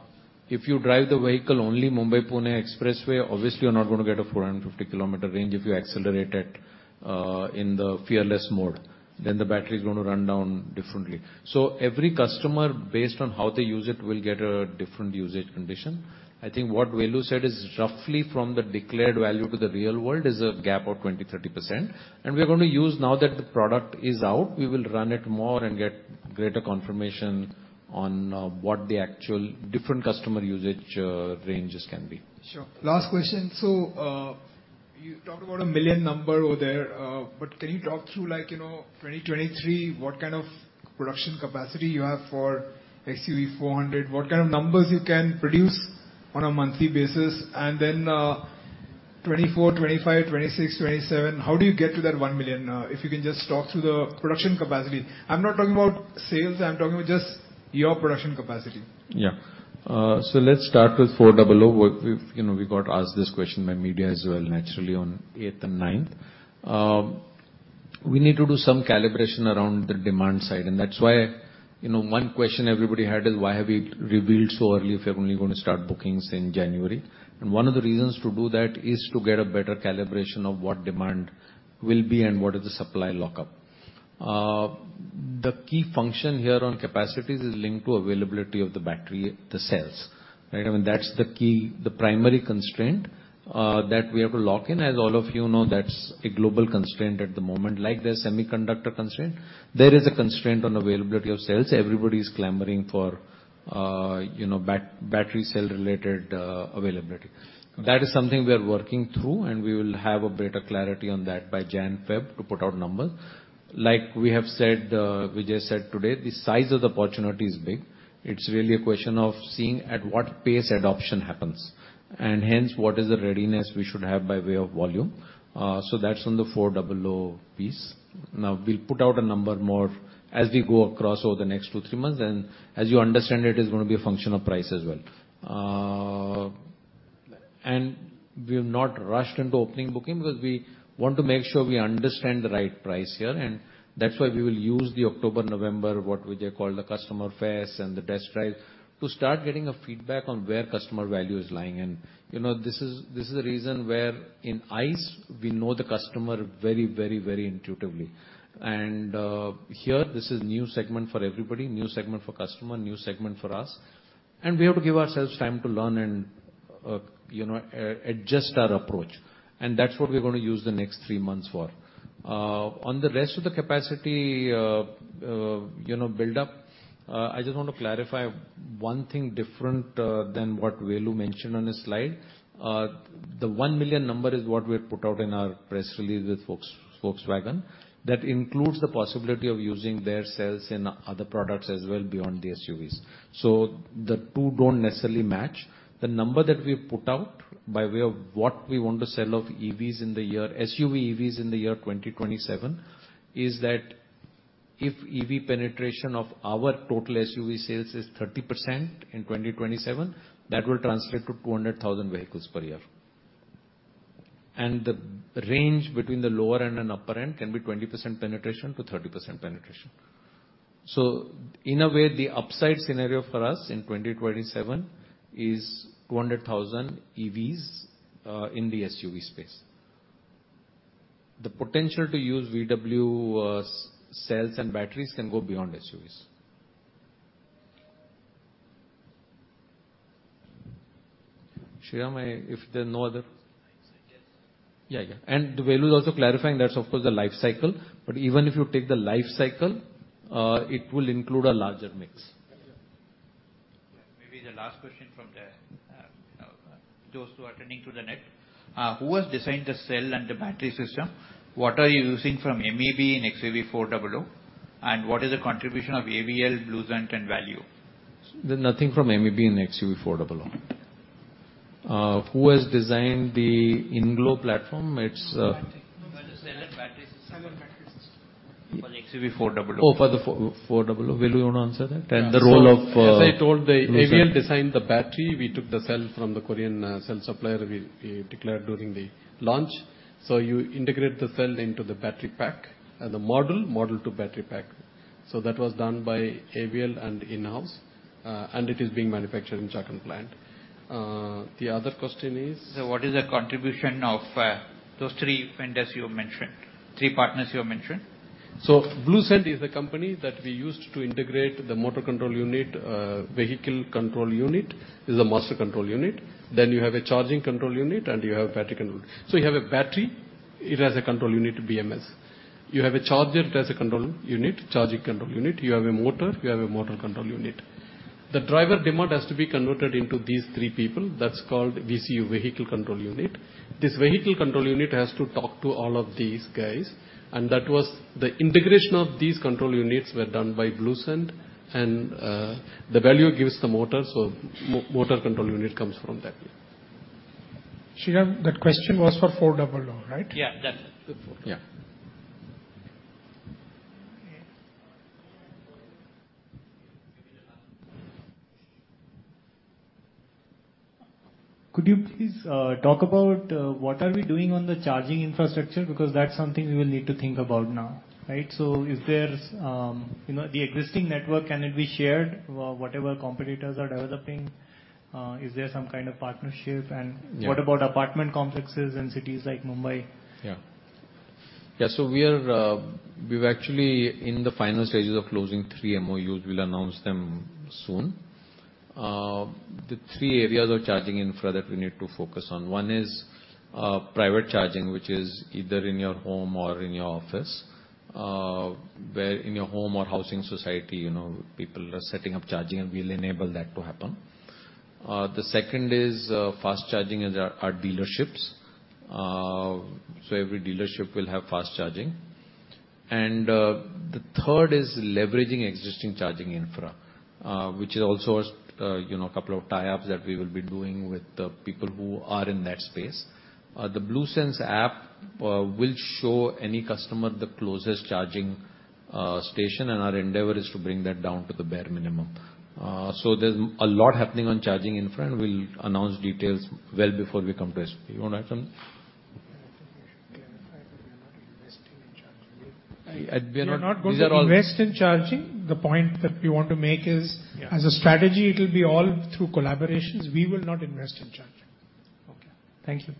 If you drive the vehicle only Mumbai-Pune Expressway, obviously you're not gonna get a 450 km range if you accelerate it in the fearless mode, then the battery is gonna run down differently. Every customer, based on how they use it, will get a different usage condition. I think what Velu said is roughly from the declared value to the real world is a gap of 20%-30%. We're gonna use now that the product is out, we will run it more and get greater confirmation on what the actual different customer usage ranges can be. Sure. Last question. You talked about a million number over there, but can you talk through like, you know, 2023, what kind of production capacity you have for XUV400? What kind of numbers you can produce on a monthly basis? 2024, 2025, 2026, 2027, how do you get to that 1 million? If you can just talk through the production capacity. I'm not talking about sales, I'm talking about just your production capacity. Let's start with XUV400. We've you know, we got asked this question by media as well, naturally, on eighth and ninth. We need to do some calibration around the demand side, and that's why, you know, one question everybody had is why have we revealed so early if you're only gonna start bookings in January. One of the reasons to do that is to get a better calibration of what demand will be and what is the supply lockup. The key function here on capacities is linked to availability of the battery, the cells, right? I mean, that's the key, the primary constraint that we have to lock in. As all of you know, that's a global constraint at the moment. Like, the semiconductor constraint, there is a constraint on availability of cells. Everybody's clamoring for, you know, battery cell related availability. That is something we are working through, and we will have a better clarity on that by January/February to put out numbers. Like we have said, Vijay said today, the size of the opportunity is big. It's really a question of seeing at what pace adoption happens, and hence what is the readiness we should have by way of volume. So that's on the XUV400 piece. Now, we'll put out a number more as we go across over the next two, three months. As you understand, it is gonna be a function of price as well. We have not rushed into opening booking because we want to make sure we understand the right price here, and that's why we will use the October, November, what Vijay called the customer fairs and the test drive, to start getting a feedback on where customer value is lying. You know, this is a reason where in ICE, we know the customer very intuitively. Here this is new segment for everybody, new segment for customer, new segment for us, and we have to give ourselves time to learn and, you know, adjust our approach. That's what we're gonna use the next three months for. On the rest of the capacity, you know, build up, I just want to clarify one thing different than what Velu mentioned on his slide. The 1 million number is what we had put out in our press release with Volkswagen. That includes the possibility of using their cells in other products as well beyond the SUVs. The two don't necessarily match. The number that we put out by way of what we want to sell of EVs in the year, SUV EVs in the year 2027, is that if EV penetration of our total SUV sales is 30% in 2027, that will translate to 200,000 vehicles per year. The range between the lower end and upper end can be 20% penetration to 30% penetration. In a way, the upside scenario for us in 2027 is 200,000 EVs, in the SUV space. The potential to use VW, S-cells and batteries can go beyond SUVs. Sriram, I... If there are no other- Suggest. Yeah, yeah. Velu is also clarifying that's of course the life cycle, but even if you take the life cycle, it will include a larger mix. Thank you. Maybe the last question from those who are attending through the net. Who has designed the cell and the battery system? What are you using from MEB in XUV400? What is the contribution of AVL, Bluesense and Valeo? There's nothing from MEB in XUV400. Who has designed the INGLO platform? It's Battery. No, but the cell and battery system. Cell and battery system. For XUV400. Oh, for the XUV400. Velu, you wanna answer that? The role of Bluesense. As I told, the AVL designed the battery. We took the cell from the Korean cell supplier we declared during the launch. You integrate the cell into the battery pack, the module to battery pack. That was done by AVL and in-house and it is being manufactured in Chakan plant. The other question is? What is the contribution of those three vendors you have mentioned, three partners you have mentioned? Bluesend is the company that we used to integrate the motor control unit, vehicle control unit. It is a master control unit. Then you have a charging control unit, and you have battery control unit. You have a battery, it has a control unit, BMS. You have a charger, it has a control unit, charging control unit. You have a motor, you have a motor control unit. The driver demand has to be converted into these three people. That's called VCU, vehicle control unit. This vehicle control unit has to talk to all of these guys, and that was the integration of these control units were done by Bluesend and, Valeo gives the motor. Motor control unit comes from that. Sriram, that question was for 400, right? Yeah, that. Yeah. Could you please talk about what are we doing on the charging infrastructure? Because that's something we will need to think about now, right? Is there, you know, the existing network, can it be shared, whatever competitors are developing? Is there some kind of partnership? Yeah. What about apartment complexes in cities like Mumbai? Yeah. Yeah, we're actually in the final stages of closing three MOUs. We'll announce them soon. The three areas of charging infra that we need to focus on, one is private charging, which is either in your home or in your office, where in your home or housing society, you know, people are setting up charging, and we'll enable that to happen. The second is fast charging at our dealerships. Every dealership will have fast charging. The third is leveraging existing charging infra, which is also, you know, a couple of tie-ups that we will be doing with the people who are in that space. The BlueSense app will show any customer the closest charging station, and our endeavor is to bring that down to the bare minimum. There's a lot happening on charging infra, and we'll announce details well before we come to SOP. You wanna add something? I think we should clarify that we are not investing in charging. We are not We're not going to invest in charging. The point that we want to make is. Yeah. As a strategy, it'll be all through collaborations. We will not invest in charging. Okay. Thank you.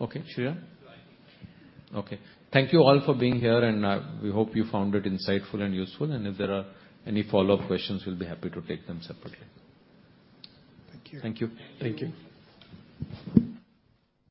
Okay. Shreya? Okay. Thank you all for being here, and we hope you found it insightful and useful. If there are any follow-up questions, we'll be happy to take them separately. Thank you. Thank you. Thank you.